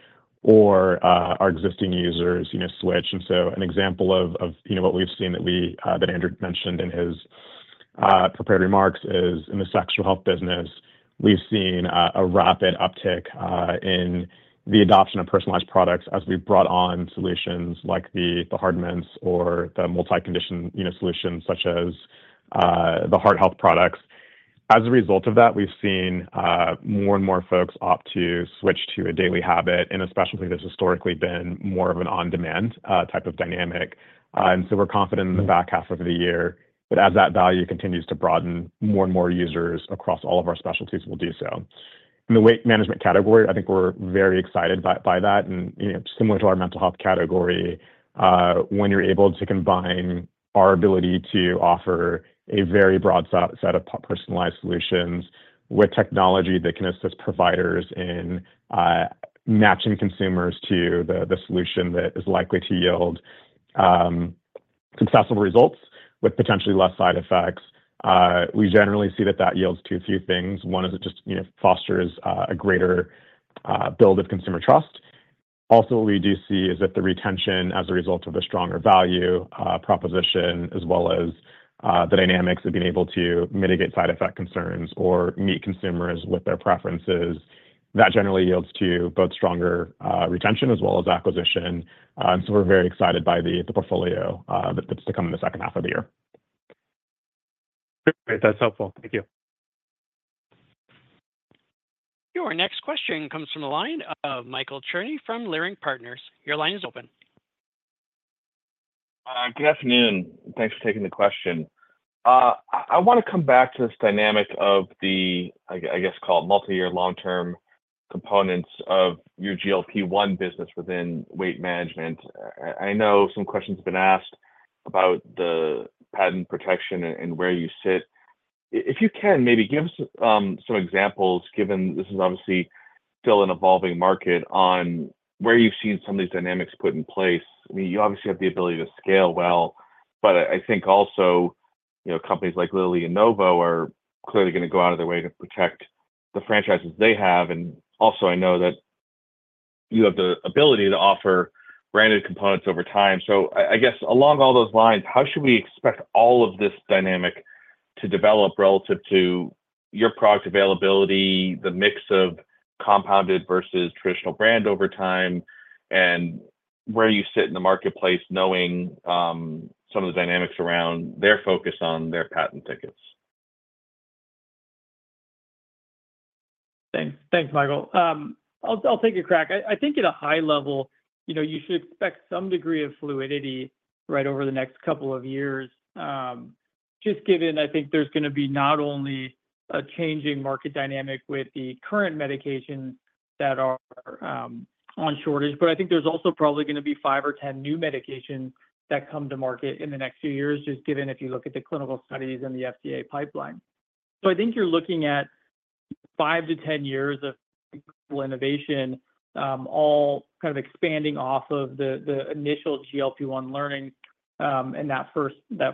or our existing users switch. An example of what we've seen that Andrew mentioned in his prepared remarks is in the sexual health business, we've seen a rapid uptick in the adoption of personalized products as we've brought on solutions like the Hard Mints or the multi-condition solutions such as the heart health products. As a result of that, we've seen more and more folks opt to switch to a daily habit, and especially this has historically been more of an on-demand type of dynamic. We're confident in the back half of the year that as that value continues to broaden, more and more users across all of our specialties will do so. In the weight management category, I think we're very excited by that. Similar to our mental health category, when you're able to combine our ability to offer a very broad set of personalized solutions with technology that can assist providers in matching consumers to the solution that is likely to yield successful results with potentially less side effects, we generally see that that yields a few things. One is it just fosters a greater build of consumer trust. Also, what we do see is that the retention as a result of the stronger value proposition, as well as the dynamics of being able to mitigate side effect concerns or meet consumers with their preferences, that generally yields to both stronger retention as well as acquisition. So we're very excited by the portfolio that's to come in the second half of the year. Great. That's helpful. Thank you. Your next question comes from the line of Michael Cherny from Leerink Partners. Your line is open. Good afternoon. Thanks for taking the question. I want to come back to this dynamic of the, I guess, called multi-year long-term components of your GLP-1 business within weight management. I know some questions have been asked about the patent protection and where you sit. If you can, maybe give us some examples, given this is obviously still an evolving market, on where you've seen some of these dynamics put in place. I mean, you obviously have the ability to scale well, but I think also companies like Lilly and Novo are clearly going to go out of their way to protect the franchises they have. And also, I know that you have the ability to offer branded components over time. I guess along all those lines, how should we expect all of this dynamic to develop relative to your product availability, the mix of compounded versus traditional brand over time, and where you sit in the marketplace knowing some of the dynamics around their focus on their patent thickets? Thanks, Michael. I'll take a crack. I think at a high level, you should expect some degree of fluidity right over the next couple of years, just given I think there's going to be not only a changing market dynamic with the current medications that are on shortage, but I think there's also probably going to be 5 or 10 new medications that come to market in the next few years, just given if you look at the clinical studies and the FDA pipeline. So I think you're looking at 5-10 years of innovation, all kind of expanding off of the initial GLP-1 learning and that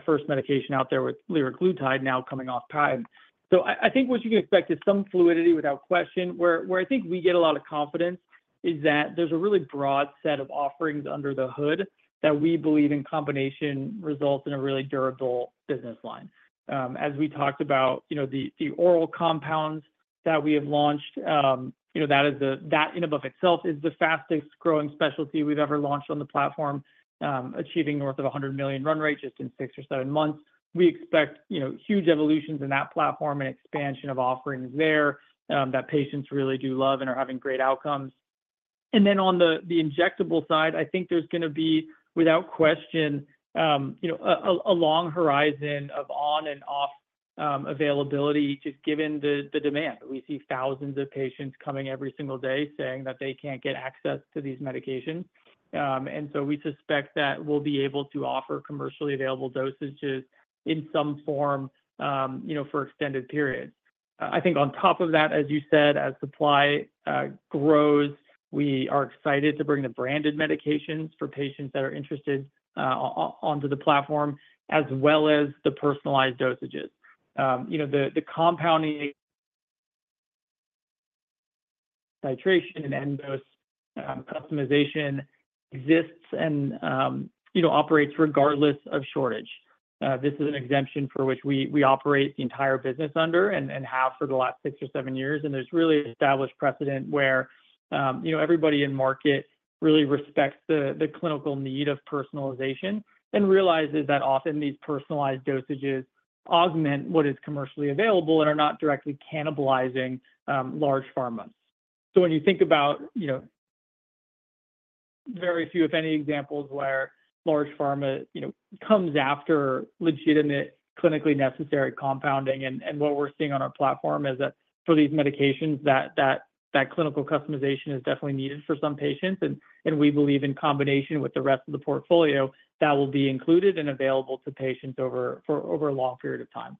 first medication out there with liraglutide now coming off time. So I think what you can expect is some fluidity, without question. Where I think we get a lot of confidence is that there's a really broad set of offerings under the hood that we believe in combination results in a really durable business line. As we talked about the oral compounds that we have launched, that in and of itself is the fastest growing specialty we've ever launched on the platform, achieving north of $100 million run rate just in six or seven months. We expect huge evolutions in that platform and expansion of offerings there that patients really do love and are having great outcomes. And then on the injectable side, I think there's going to be, without question, a long horizon of on and off availability, just given the demand. We see thousands of patients coming every single day saying that they can't get access to these medications. So we suspect that we'll be able to offer commercially available dosages in some form for extended periods. I think on top of that, as you said, as supply grows, we are excited to bring the branded medications for patients that are interested onto the platform, as well as the personalized dosages. The compounding titration and end-dose customization exists and operates regardless of shortage. This is an exemption for which we operate the entire business under and have for the last six or seven years. There's really established precedent where everybody in market really respects the clinical need of personalization and realizes that often these personalized dosages augment what is commercially available and are not directly cannibalizing large pharmas. When you think about very few, if any, examples where large pharma comes after legitimate clinically necessary compounding, and what we're seeing on our platform is that for these medications, that clinical customization is definitely needed for some patients. We believe in combination with the rest of the portfolio, that will be included and available to patients for a long period of time.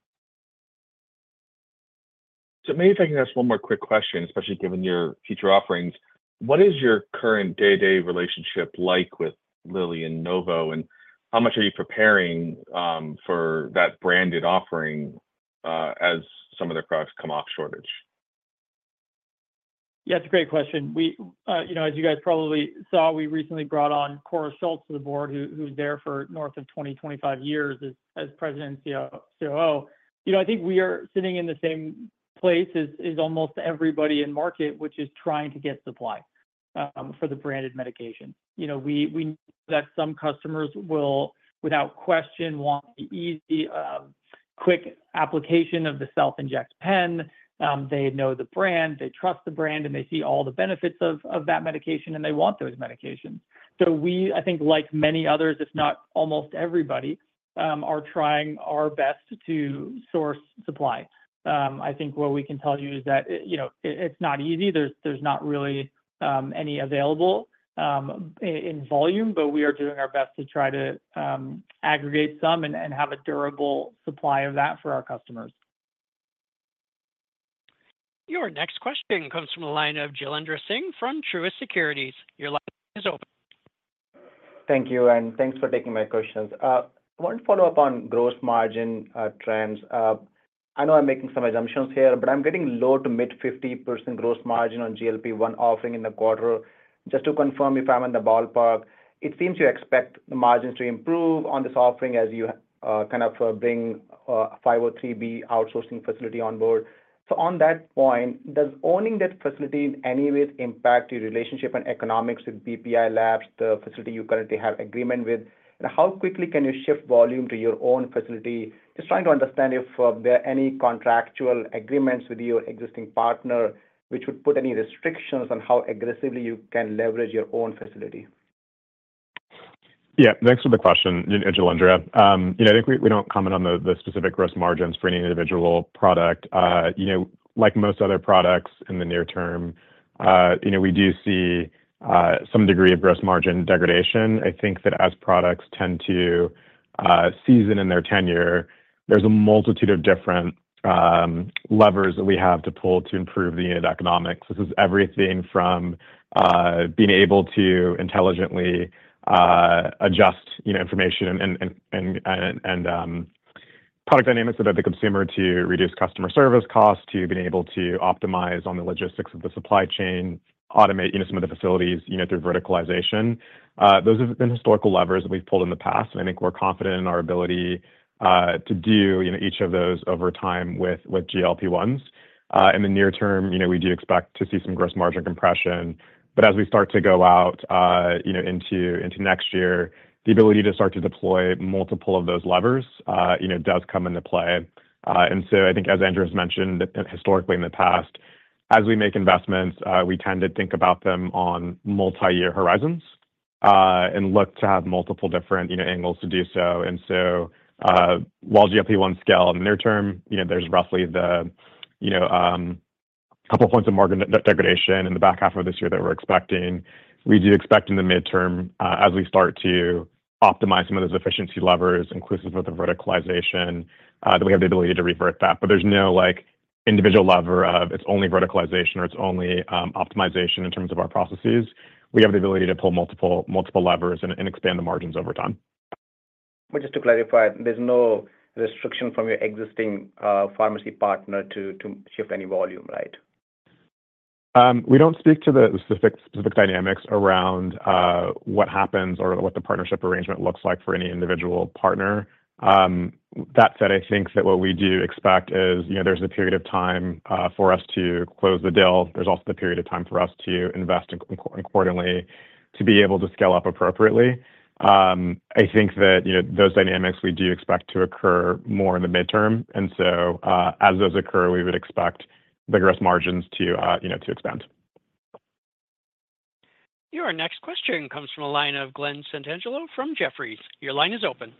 Maybe if I can ask one more quick question, especially given your future offerings. What is your current day-to-day relationship like with Lilly and Novo, and how much are you preparing for that branded offering as some of their products come off shortage? Yeah, it's a great question. As you guys probably saw, we recently brought on Kåre Schultz to the board, who's there for north of 20, 25 years as president and COO. I think we are sitting in the same place as almost everybody in market, which is trying to get supply for the branded medications. We know that some customers will, without question, want the easy, quick application of the self-inject pen. They know the brand, they trust the brand, and they see all the benefits of that medication, and they want those medications. So we, I think, like many others, if not almost everybody, are trying our best to source supply. I think what we can tell you is that it's not easy. There's not really any available in volume, but we are doing our best to try to aggregate some and have a durable supply of that for our customers. Your next question comes from the line of Jailendra Singh from Truist Securities. Your line is open. Thank you. And thanks for taking my questions. I want to follow up on gross margin trends. I know I'm making some assumptions here, but I'm getting low- to mid-50% gross margin on GLP-1 offering in the quarter. Just to confirm if I'm in the ballpark, it seems you expect the margins to improve on this offering as you kind of bring 503B outsourcing facility on board. So on that point, does owning that facility in any way impact your relationship and economics with BPI Labs, the facility you currently have agreement with? And how quickly can you shift volume to your own facility? Just trying to understand if there are any contractual agreements with your existing partner which would put any restrictions on how aggressively you can leverage your own facility. Yeah. Thanks for the question, Jailendra. I think we don't comment on the specific gross margins for any individual product. Like most other products in the near term, we do see some degree of gross margin degradation. I think that as products tend to season in their tenure, there's a multitude of different levers that we have to pull to improve the unit economics. This is everything from being able to intelligently adjust information and product dynamics about the consumer to reduce customer service costs to being able to optimize on the logistics of the supply chain, automate some of the facilities through verticalization. Those have been historical levers that we've pulled in the past, and I think we're confident in our ability to do each of those over time with GLP-1s. In the near term, we do expect to see some gross margin compression. But as we start to go out into next year, the ability to start to deploy multiple of those levers does come into play. And so I think, as Andrew has mentioned historically in the past, as we make investments, we tend to think about them on multi-year horizons and look to have multiple different angles to do so. And so while GLP-1 scale in the near term, there's roughly a couple of points of margin degradation in the back half of this year that we're expecting. We do expect in the midterm, as we start to optimize some of those efficiency levers, inclusive of the verticalization, that we have the ability to revert that. But there's no individual lever of it's only verticalization or it's only optimization in terms of our processes. We have the ability to pull multiple levers and expand the margins over time. Just to clarify, there's no restriction from your existing pharmacy partner to shift any volume, right? We don't speak to the specific dynamics around what happens or what the partnership arrangement looks like for any individual partner. That said, I think that what we do expect is there's a period of time for us to close the deal. There's also the period of time for us to invest accordingly to be able to scale up appropriately. I think that those dynamics we do expect to occur more in the midterm. And so as those occur, we would expect the gross margins to expand. Your next question comes from a line of Glenn Santangelo from Jefferies. Your line is open.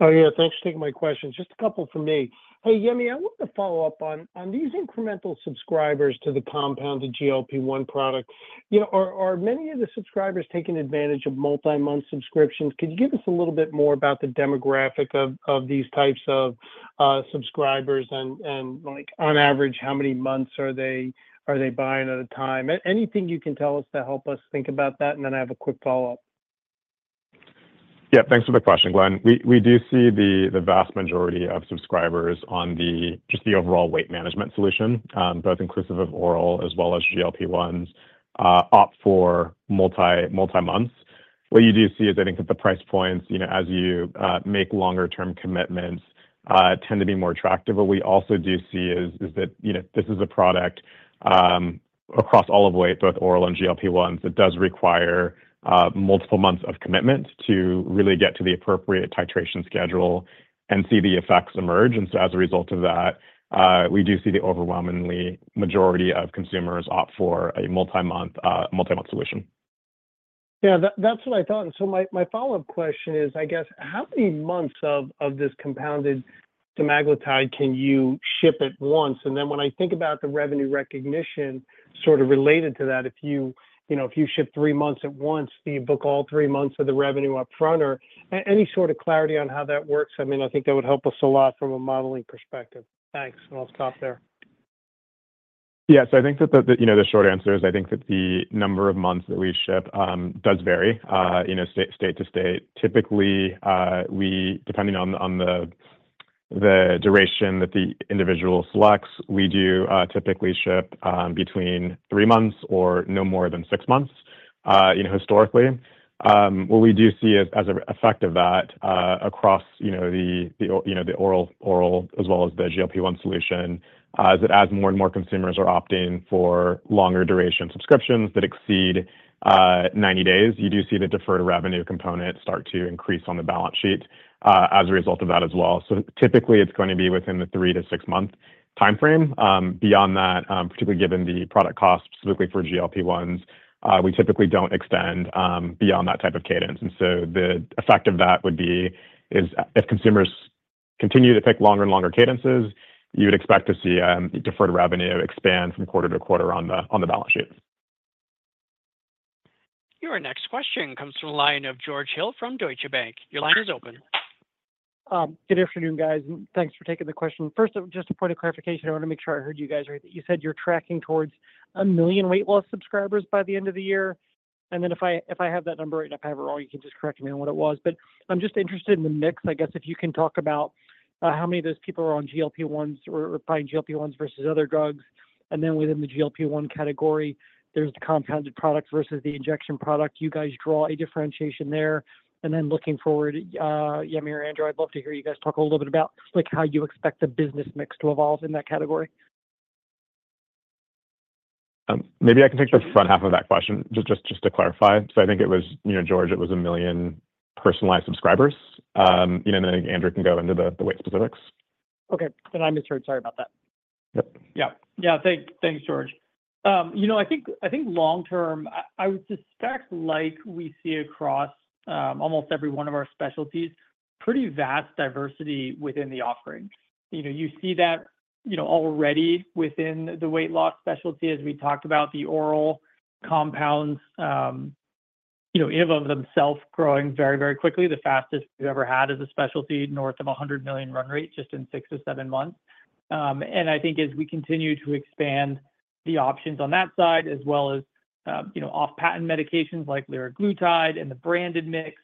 Oh, yeah. Thanks for taking my question. Just a couple for me. Hey, Yemi, I want to follow up on these incremental subscribers to the compounded GLP-1 product. Are many of the subscribers taking advantage of multi-month subscriptions? Could you give us a little bit more about the demographic of these types of subscribers? And on average, how many months are they buying at a time? Anything you can tell us to help us think about that? And then I have a quick follow-up. Yeah. Thanks for the question, Glenn. We do see the vast majority of subscribers on just the overall weight management solution, both inclusive of oral as well as GLP-1s, opt for multi-months. What you do see is I think that the price points, as you make longer-term commitments, tend to be more attractive. What we also do see is that this is a product across all of weight, both oral and GLP-1s, that does require multiple months of commitment to really get to the appropriate titration schedule and see the effects emerge. And so as a result of that, we do see the overwhelmingly majority of consumers opt for a multi-month solution. Yeah. That's what I thought. And so my follow-up question is, I guess, how many months of this compounded semaglutide can you ship at once? And then when I think about the revenue recognition sort of related to that, if you ship 3 months at once, do you book all 3 months of the revenue upfront? Or any sort of clarity on how that works? I mean, I think that would help us a lot from a modeling perspective. Thanks. And I'll stop there. Yeah. So I think that the short answer is I think that the number of months that we ship does vary state to state. Typically, depending on the duration that the individual selects, we do typically ship between 3 months or no more than 6 months historically. What we do see as an effect of that across the oral as well as the GLP-1 solution is that as more and more consumers are opting for longer-duration subscriptions that exceed 90 days, you do see the deferred revenue component start to increase on the balance sheet as a result of that as well. So typically, it's going to be within the 3- to 6-month timeframe. Beyond that, particularly given the product cost, specifically for GLP-1s, we typically don't extend beyond that type of cadence. The effect of that would be if consumers continue to pick longer and longer cadences, you would expect to see deferred revenue expand from quarter to quarter on the balance sheet. Your next question comes from a line of George Hill from Deutsche Bank. Your line is open. Good afternoon, guys. Thanks for taking the question. First, just a point of clarification. I want to make sure I heard you guys right. You said you're tracking towards 1 million weight loss subscribers by the end of the year. And then if I have that number right, if I have it wrong, you can just correct me on what it was. But I'm just interested in the mix. I guess if you can talk about how many of those people are on GLP-1s or buying GLP-1s versus other drugs. And then within the GLP-1 category, there's the compounded product versus the injection product. You guys draw a differentiation there. And then looking forward, Yemi or Andrew, I'd love to hear you guys talk a little bit about how you expect the business mix to evolve in that category. Maybe I can take the front half of that question just to clarify. So I think it was, George, it was 1 million personalized subscribers. And then Andrew can go into the weight specifics. Okay. Then I misheard. Sorry about that. Yep. Yeah. Yeah. Thanks, George. I think long-term, I would suspect like we see across almost every one of our specialties, pretty vast diversity within the offering. You see that already within the weight loss specialty, as we talked about, the oral compounds in and of themselves growing very, very quickly. The fastest we've ever had as a specialty, north of $100 million run rate just in 6-7 months. And I think as we continue to expand the options on that side, as well as off-patent medications like liraglutide and the branded mix,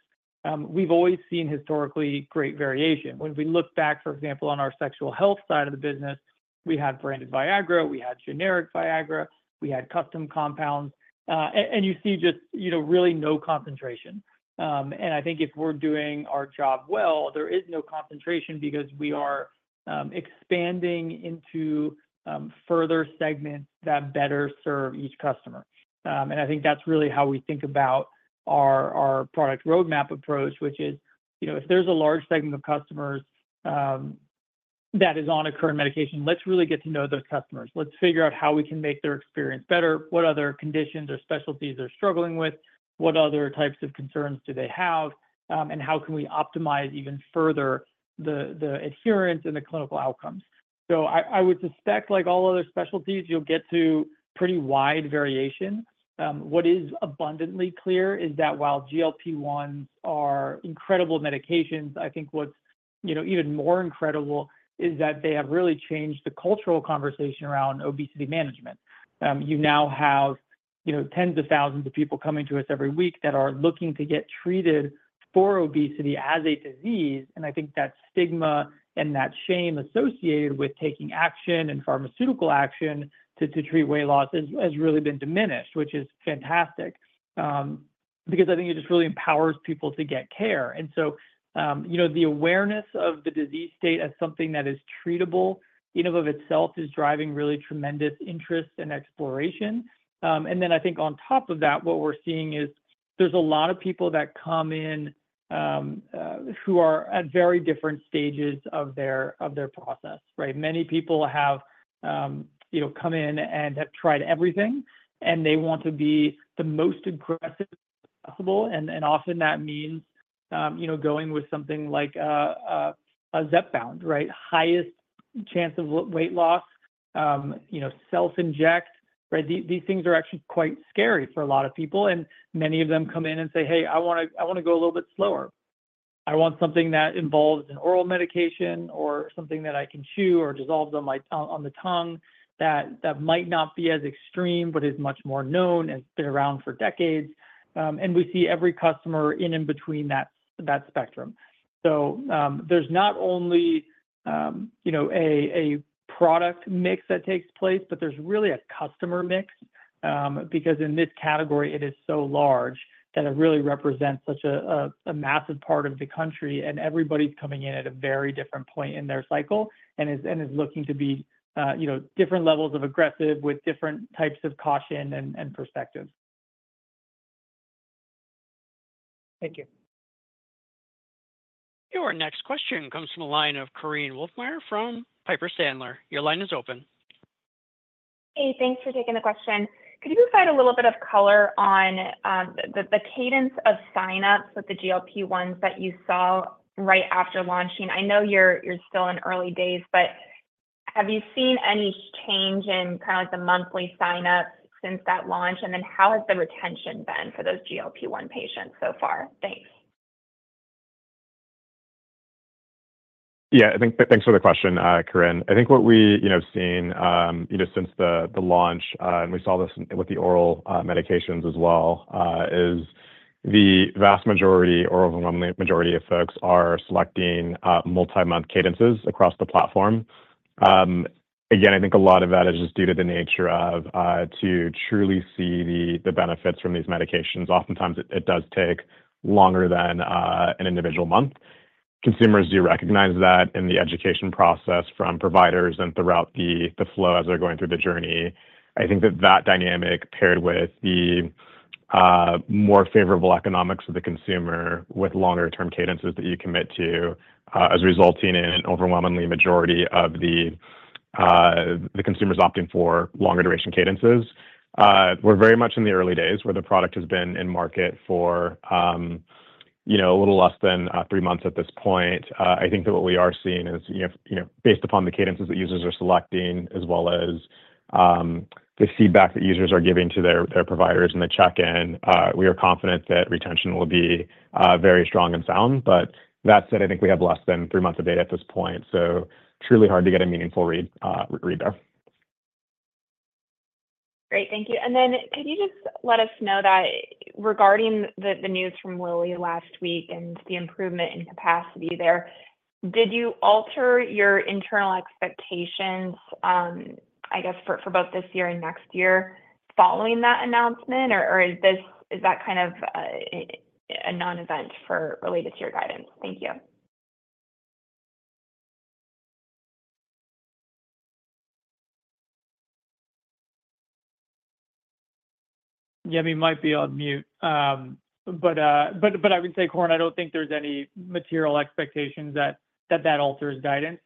we've always seen historically great variation. When we look back, for example, on our sexual health side of the business, we had branded Viagra, we had generic Viagra, we had custom compounds. And you see just really no concentration. I think if we're doing our job well, there is no concentration because we are expanding into further segments that better serve each customer. I think that's really how we think about our product roadmap approach, which is if there's a large segment of customers that is on a current medication, let's really get to know those customers. Let's figure out how we can make their experience better, what other conditions or specialties they're struggling with, what other types of concerns do they have, and how can we optimize even further the adherence and the clinical outcomes. I would suspect like all other specialties, you'll get to pretty wide variation. What is abundantly clear is that while GLP-1s are incredible medications, I think what's even more incredible is that they have really changed the cultural conversation around obesity management. You now have tens of thousands of people coming to us every week that are looking to get treated for obesity as a disease. And I think that stigma and that shame associated with taking action and pharmaceutical action to treat weight loss has really been diminished, which is fantastic because I think it just really empowers people to get care. And so the awareness of the disease state as something that is treatable in and of itself is driving really tremendous interest and exploration. And then I think on top of that, what we're seeing is there's a lot of people that come in who are at very different stages of their process, right? Many people have come in and have tried everything, and they want to be the most aggressive possible. And often that means going with something like a Zepbound, right? Highest chance of weight loss, self-inject, right? These things are actually quite scary for a lot of people. Many of them come in and say, "Hey, I want to go a little bit slower. I want something that involves an oral medication or something that I can chew or dissolve on the tongue that might not be as extreme but is much more known and been around for decades." We see every customer in and between that spectrum. There's not only a product mix that takes place, but there's really a customer mix because in this category, it is so large that it really represents such a massive part of the country. Everybody's coming in at a very different point in their cycle and is looking to be different levels of aggressive with different types of caution and perspective. Thank you. Your next question comes from a line of Korinne Wolfmeyer from Piper Sandler. Your line is open. Hey, thanks for taking the question. Could you provide a little bit of color on the cadence of sign-ups with the GLP-1s that you saw right after launching? I know you're still in early days, but have you seen any change in kind of the monthly sign-ups since that launch? And then how has the retention been for those GLP-1 patients so far? Thanks. Yeah. Thanks for the question, Korinne. I think what we've seen since the launch and we saw this with the oral medications as well is the vast majority, or overwhelming majority of folks, are selecting multi-month cadences across the platform. Again, I think a lot of that is just due to the nature of truly seeing the benefits from these medications. Oftentimes, it does take longer than an individual month. Consumers do recognize that in the education process from providers and throughout the flow as they're going through the journey. I think that that dynamic, paired with the more favorable economics of the consumer with longer-term cadences that you commit to, is resulting in an overwhelmingly majority of the consumers opting for longer-duration cadences. We're very much in the early days where the product has been in market for a little less than three months at this point. I think that what we are seeing is based upon the cadences that users are selecting, as well as the feedback that users are giving to their providers and the check-in. We are confident that retention will be very strong and sound. But that said, I think we have less than three months of data at this point. So truly hard to get a meaningful read there. Great. Thank you. And then could you just let us know that regarding the news from Lilly last week and the improvement in capacity there, did you alter your internal expectations, I guess, for both this year and next year following that announcement? Or is that kind of a non-event related to your guidance? Thank you. Yemi might be on mute. But I would say, Korinne, I don't think there's any material expectations that that alters guidance.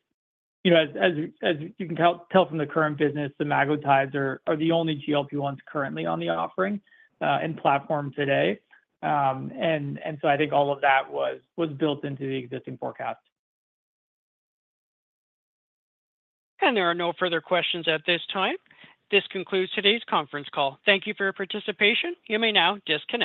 As you can tell from the current business, semaglutides are the only GLP-1s currently on the offering and platform today. And so I think all of that was built into the existing forecast. There are no further questions at this time. This concludes today's conference call. Thank you for your participation. You may now disconnect.